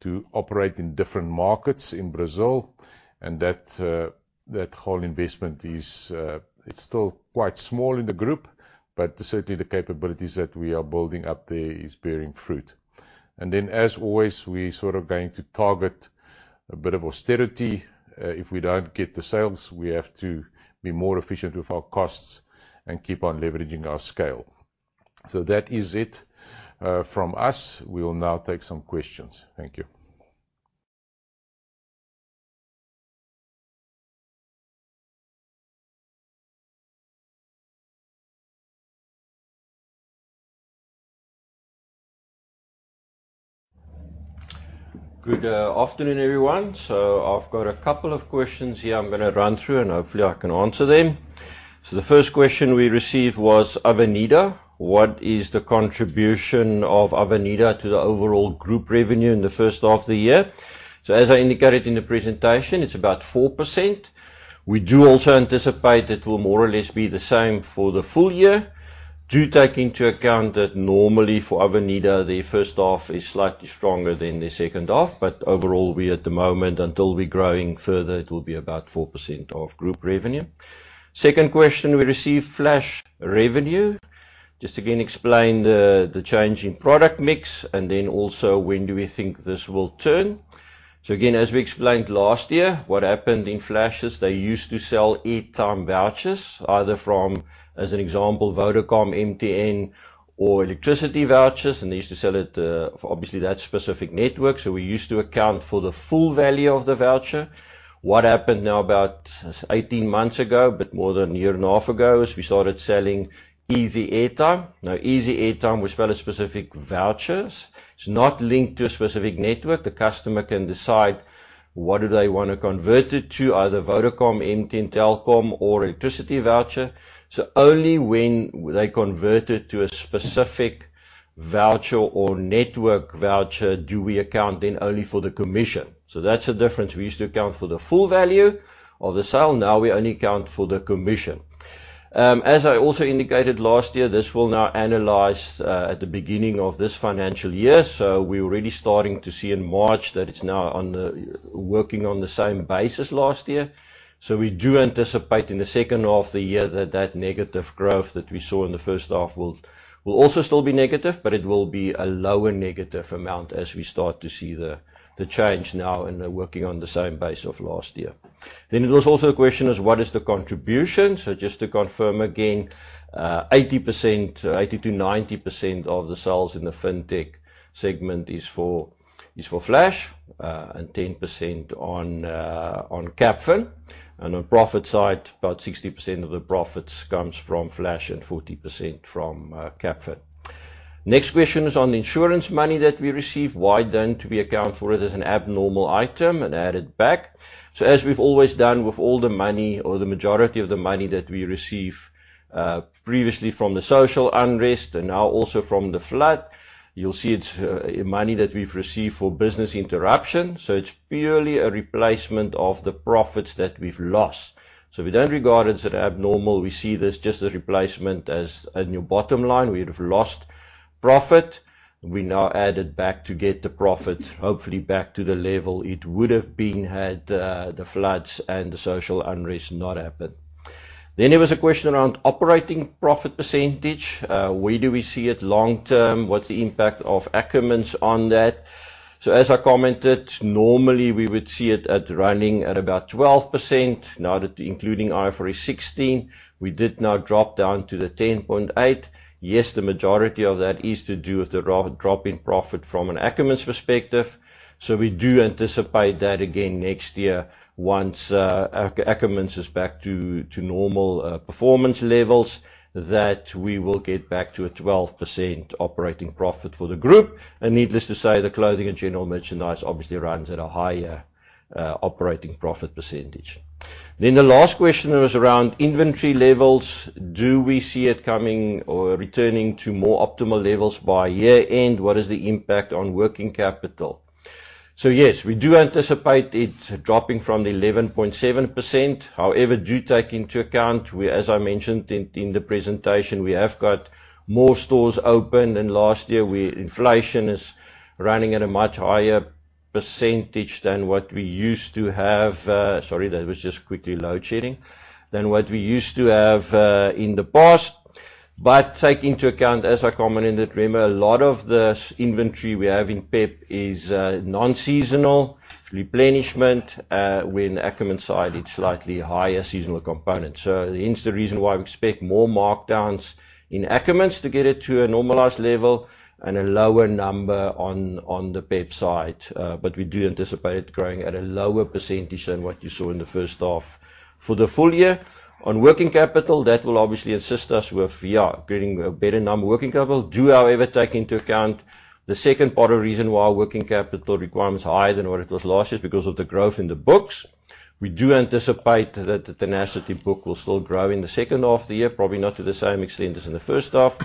to operate in different markets in Brazil, and that whole investment is still quite small in the group, but certainly the capabilities that we are building up there is bearing fruit. As always, we're sort of going to target a bit of austerity. If we don't get the sales, we have to be more efficient with our costs and keep on leveraging our scale. That is it from us. We will now take some questions. Thank you. Good afternoon, everyone. I've got a couple of questions here I'm gonna run through, and hopefully I can answer them. The first question we received was Avenida. What is the contribution of Avenida to the overall group revenue in the first half of the year? As I indicated in the presentation, it's about 4%. We do also anticipate it will more or less be the same for the full year. Do take into account that normally for Avenida, their first half is slightly stronger than the second half. Overall, we at the moment, until we're growing further, it will be about 4% of group revenue. Second question we received: Flash Revenue. Just again, explain the change in product mix, and then also, when do we think this will turn? Again, as we explained last year, what happened in Flash is they used to sell airtime vouchers, either from, as an example, Vodacom, MTN, or electricity vouchers, and they used to sell it for obviously that specific network. We used to account for the full value of the voucher. What happened now, about 18 months ago, but more than a year and a half ago, is we started selling eeziAirtime, we sell as specific vouchers. It's not linked to a specific network. The customer can decide what do they wanna convert it to, either Vodacom, MTN, Telkom, or electricity voucher. Only when they convert it to a specific voucher or network voucher, do we account then only for the commission. That's the difference. We used to account for the full value of the sale, now we only account for the commission. As I also indicated last year, this will now analyze at the beginning of this financial year. We're already starting to see in March that it's now on the working on the same basis last year. We do anticipate in the second half of the year that that negative growth that we saw in the first half will also still be negative, but it will be a lower negative amount as we start to see the change now and then working on the same base of last year. There was also a question is: What is the contribution? Just to confirm, again, 80%, 80%-90% of the sales in the FinTech segment is for Flash, and 10% on Capfin. On profit side, about 60% of the profits comes from Flash and 40% from Capfin. Next question is on the insurance money that we received. Why don't we account for it as an abnormal item and add it back? As we've always done with all the money or the majority of the money that we received, previously from the social unrest and now also from the flood, you'll see it's money that we've received for business interruption, so it's purely a replacement of the profits that we've lost. We don't regard it as abnormal. We see this just as a replacement, as a new bottom line. We'd have lost profit. We now add it back to get the profit, hopefully back to the level it would have been had the floods and the social unrest not happened. There was a question around operating profit percentage. Where do we see it long term? What's the impact of Ackermans on that? As I commented, normally we would see it running at about 12%. Now that including IFRS 16, we did now drop down to the 10.8%. Yes, the majority of that is to do with the drop in profit from an Ackermans perspective. We do anticipate that again next year, once Ackermans is back to normal performance levels, that we will get back to a 12% operating profit for the group. Needless to say, the Clothing and general merchandise obviously runs at a higher operating profit percentage. The last question was around inventory levels. Do we see it coming or returning to more optimal levels by year-end? What is the impact on working capital? Yes, we do anticipate it dropping from the 11.7%. However, do take into account, as I mentioned in the presentation, we have got more stores open, and last year, inflation is running at a much higher % than what we used to have. Sorry, that was just quickly load shedding. Than what we used to have in the past. Take into account, as I commented, remember, a lot of the inventory we have in PEP is non-seasonal replenishment. With Ackermans side, it's slightly higher seasonal component. Hence the reason why we expect more markdowns in Ackermans to get it to a normalized level and a lower number on the PEP side. We do anticipate it growing at a lower percentage than what you saw in the first half. For the full year, on working capital, that will obviously assist us with getting a better number working capital. However, take into account the second part of the reason why working capital requirement is higher than what it was last year is because of the growth in the books. We do anticipate that the Tenacity book will still grow in the second half of the year, probably not to the same extent as in the first half,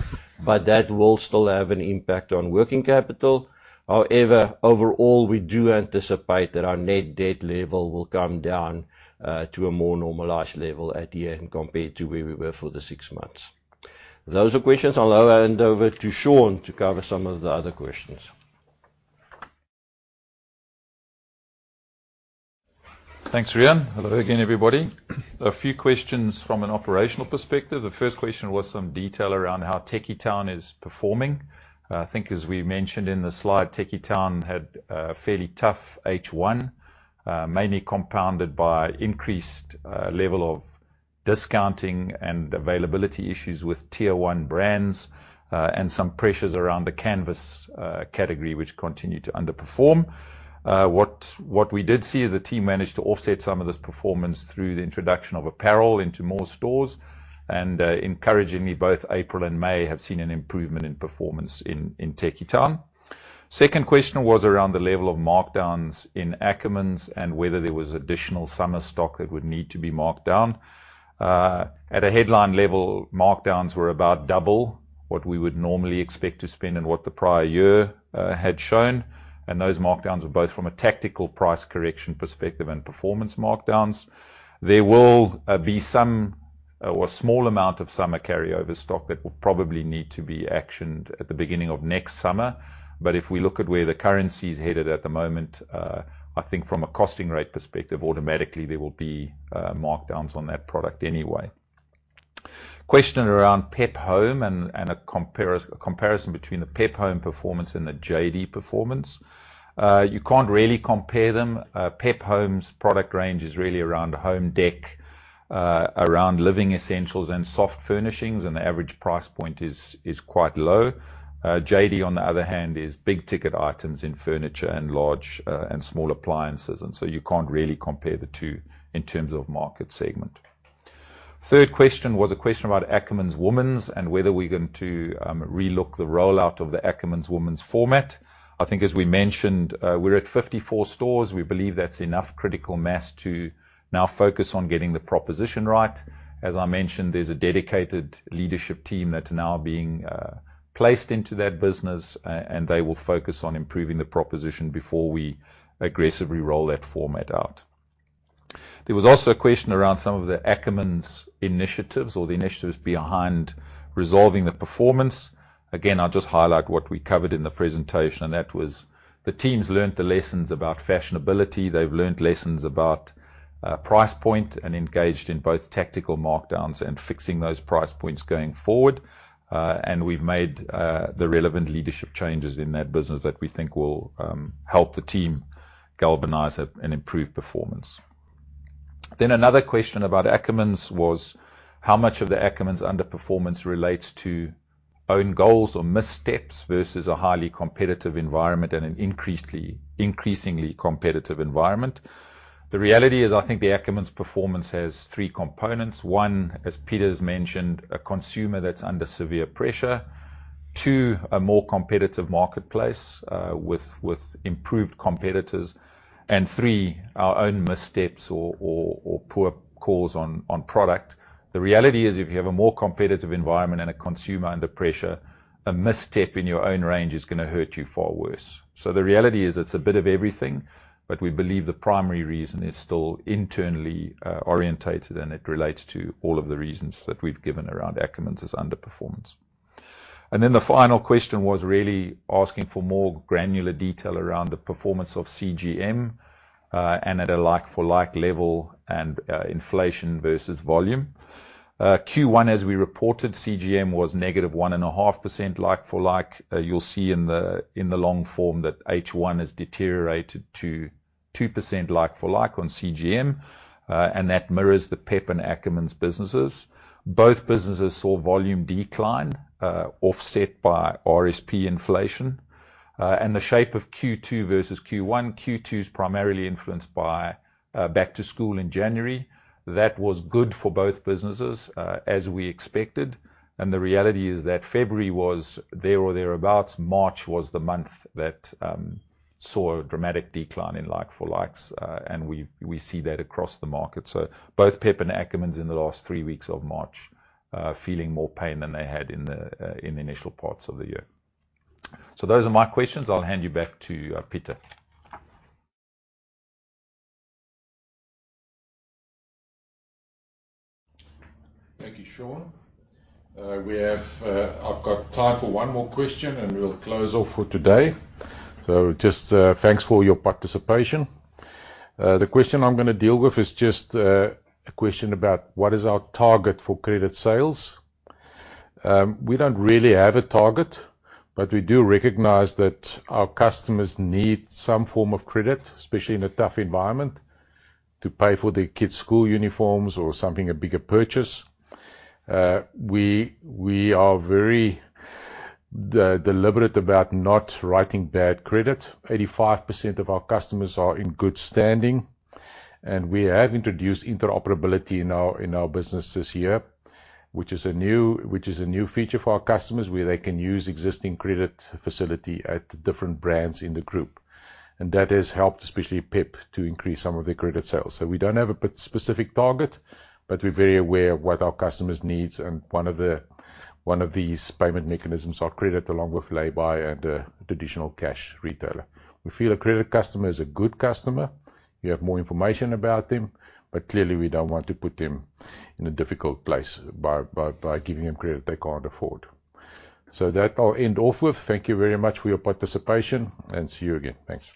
but that will still have an impact on working capital. Overall, we do anticipate that our net debt level will come down to a more normalized level at the end compared to where we were for the six months. Those are the questions. I'll now hand over to Sean to cover some of the other questions. Thanks, Riaan. Hello again, everybody. A few questions from an operational perspective. The first question was some detail around how Tekkie Town is performing. I think as we mentioned in the slide, Tekkie Town had a fairly tough H1, mainly compounded by increased level of discounting and availability issues with Tier 1 brands, and some pressures around the canvas category, which continued to underperform. What we did see is the team managed to offset some of this performance through the introduction of apparel into more stores, and encouragingly, both April and May have seen an improvement in performance in Tekkie Town. Second question was around the level of markdowns in Ackermans and whether there was additional summer stock that would need to be marked down. At a headline level, markdowns were about double what we would normally expect to spend and what the prior year had shown. Those markdowns were both from a tactical price correction perspective and performance markdowns. There will be some or a small amount of summer carryover stock that will probably need to be actioned at the beginning of next summer. If we look at where the currency is headed at the moment, I think from a costing rate perspective, automatically there will be markdowns on that product anyway. Question around PEP Home and a comparison between the PEP Home performance and the JD performance. You can't really compare them. PEP Home's product range is really around home dec, around living essentials, and soft furnishings, and the average price point is quite low. JD, on the other hand, is big-ticket items in furniture and large and small appliances, and so you can't really compare the two in terms of market segment. Third question was a question about Ackermans Woman and whether we're going to relook the rollout of the Ackermans Woman format. I think as we mentioned, we're at 54 stores. We believe that's enough critical mass to now focus on getting the proposition right. As I mentioned, there's a dedicated leadership team that's now being placed into that business, and they will focus on improving the proposition before we aggressively roll that format out. There was also a question around some of the Ackermans initiatives or the initiatives behind resolving the performance. Again, I'll just highlight what we covered in the presentation, and that was the teams learned the lessons about fashionability. They've learned lessons about price point and engaged in both tactical markdowns and fixing those price points going forward. We've made the relevant leadership changes in that business that we think will help the team galvanize it and improve performance. Another question about Ackermans was: How much of the Ackermans underperformance relates to own goals or missteps versus a highly competitive environment and an increasingly competitive environment? The reality is, I think the Ackermans performance has three components. One, as Pieter's mentioned, a consumer that's under severe pressure. Two, a more competitive marketplace, with improved competitors. Three, our own missteps or poor calls on product. The reality is, if you have a more competitive environment and a consumer under pressure, a misstep in your own range is gonna hurt you far worse. The reality is, it's a bit of everything, but we believe the primary reason is still internally orientated, and it relates to all of the reasons that we've given around Ackermans' underperformance. The final question was really asking for more granular detail around the performance of CGM, and at a like-for-like level and inflation versus volume. Q1, as we reported, CGM was negative 1.5% like-for-like. You'll see in the, in the long form that H1 has deteriorated to 2% like-for-like on CGM, and that mirrors the PEP and Ackermans businesses. Both businesses saw volume decline, offset by RSP inflation. The shape of Q2 versus Q1, Q2 is primarily influenced by back to school in January. That was good for both businesses, as we expected. The reality is that February was there or thereabouts. March was the month that saw a dramatic decline in like for likes, and we see that across the market. Both PEP and Ackermans in the last three weeks of March, feeling more pain than they had in the initial parts of the year. Those are my questions. I'll hand you back to Pieter. Thank you, Sean. We have time for one more question, and we'll close off for today. Just, thanks for your participation. The question I'm gonna deal with is just a question about what is our target for credit sales. We don't really have a target, but we do recognize that our customers need some form of credit, especially in a tough environment, to pay for their kids' school uniforms or something, a bigger purchase. We are very deliberate about not writing bad credit. 85% of our customers are in good standing, and we have introduced interoperability in our business this year, which is a new feature for our customers, where they can use existing credit facility at different brands in the group. That has helped, especially PEP, to increase some of their credit sales. We don't have a specific target, but we're very aware of what our customers needs and one of these payment mechanisms are credit, along with lay-by and traditional cash retailer. We feel a credit customer is a good customer. We have more information about them, but clearly, we don't want to put them in a difficult place by giving them credit they can't afford. That I'll end off with. Thank you very much for your participation, and see you again. Thanks.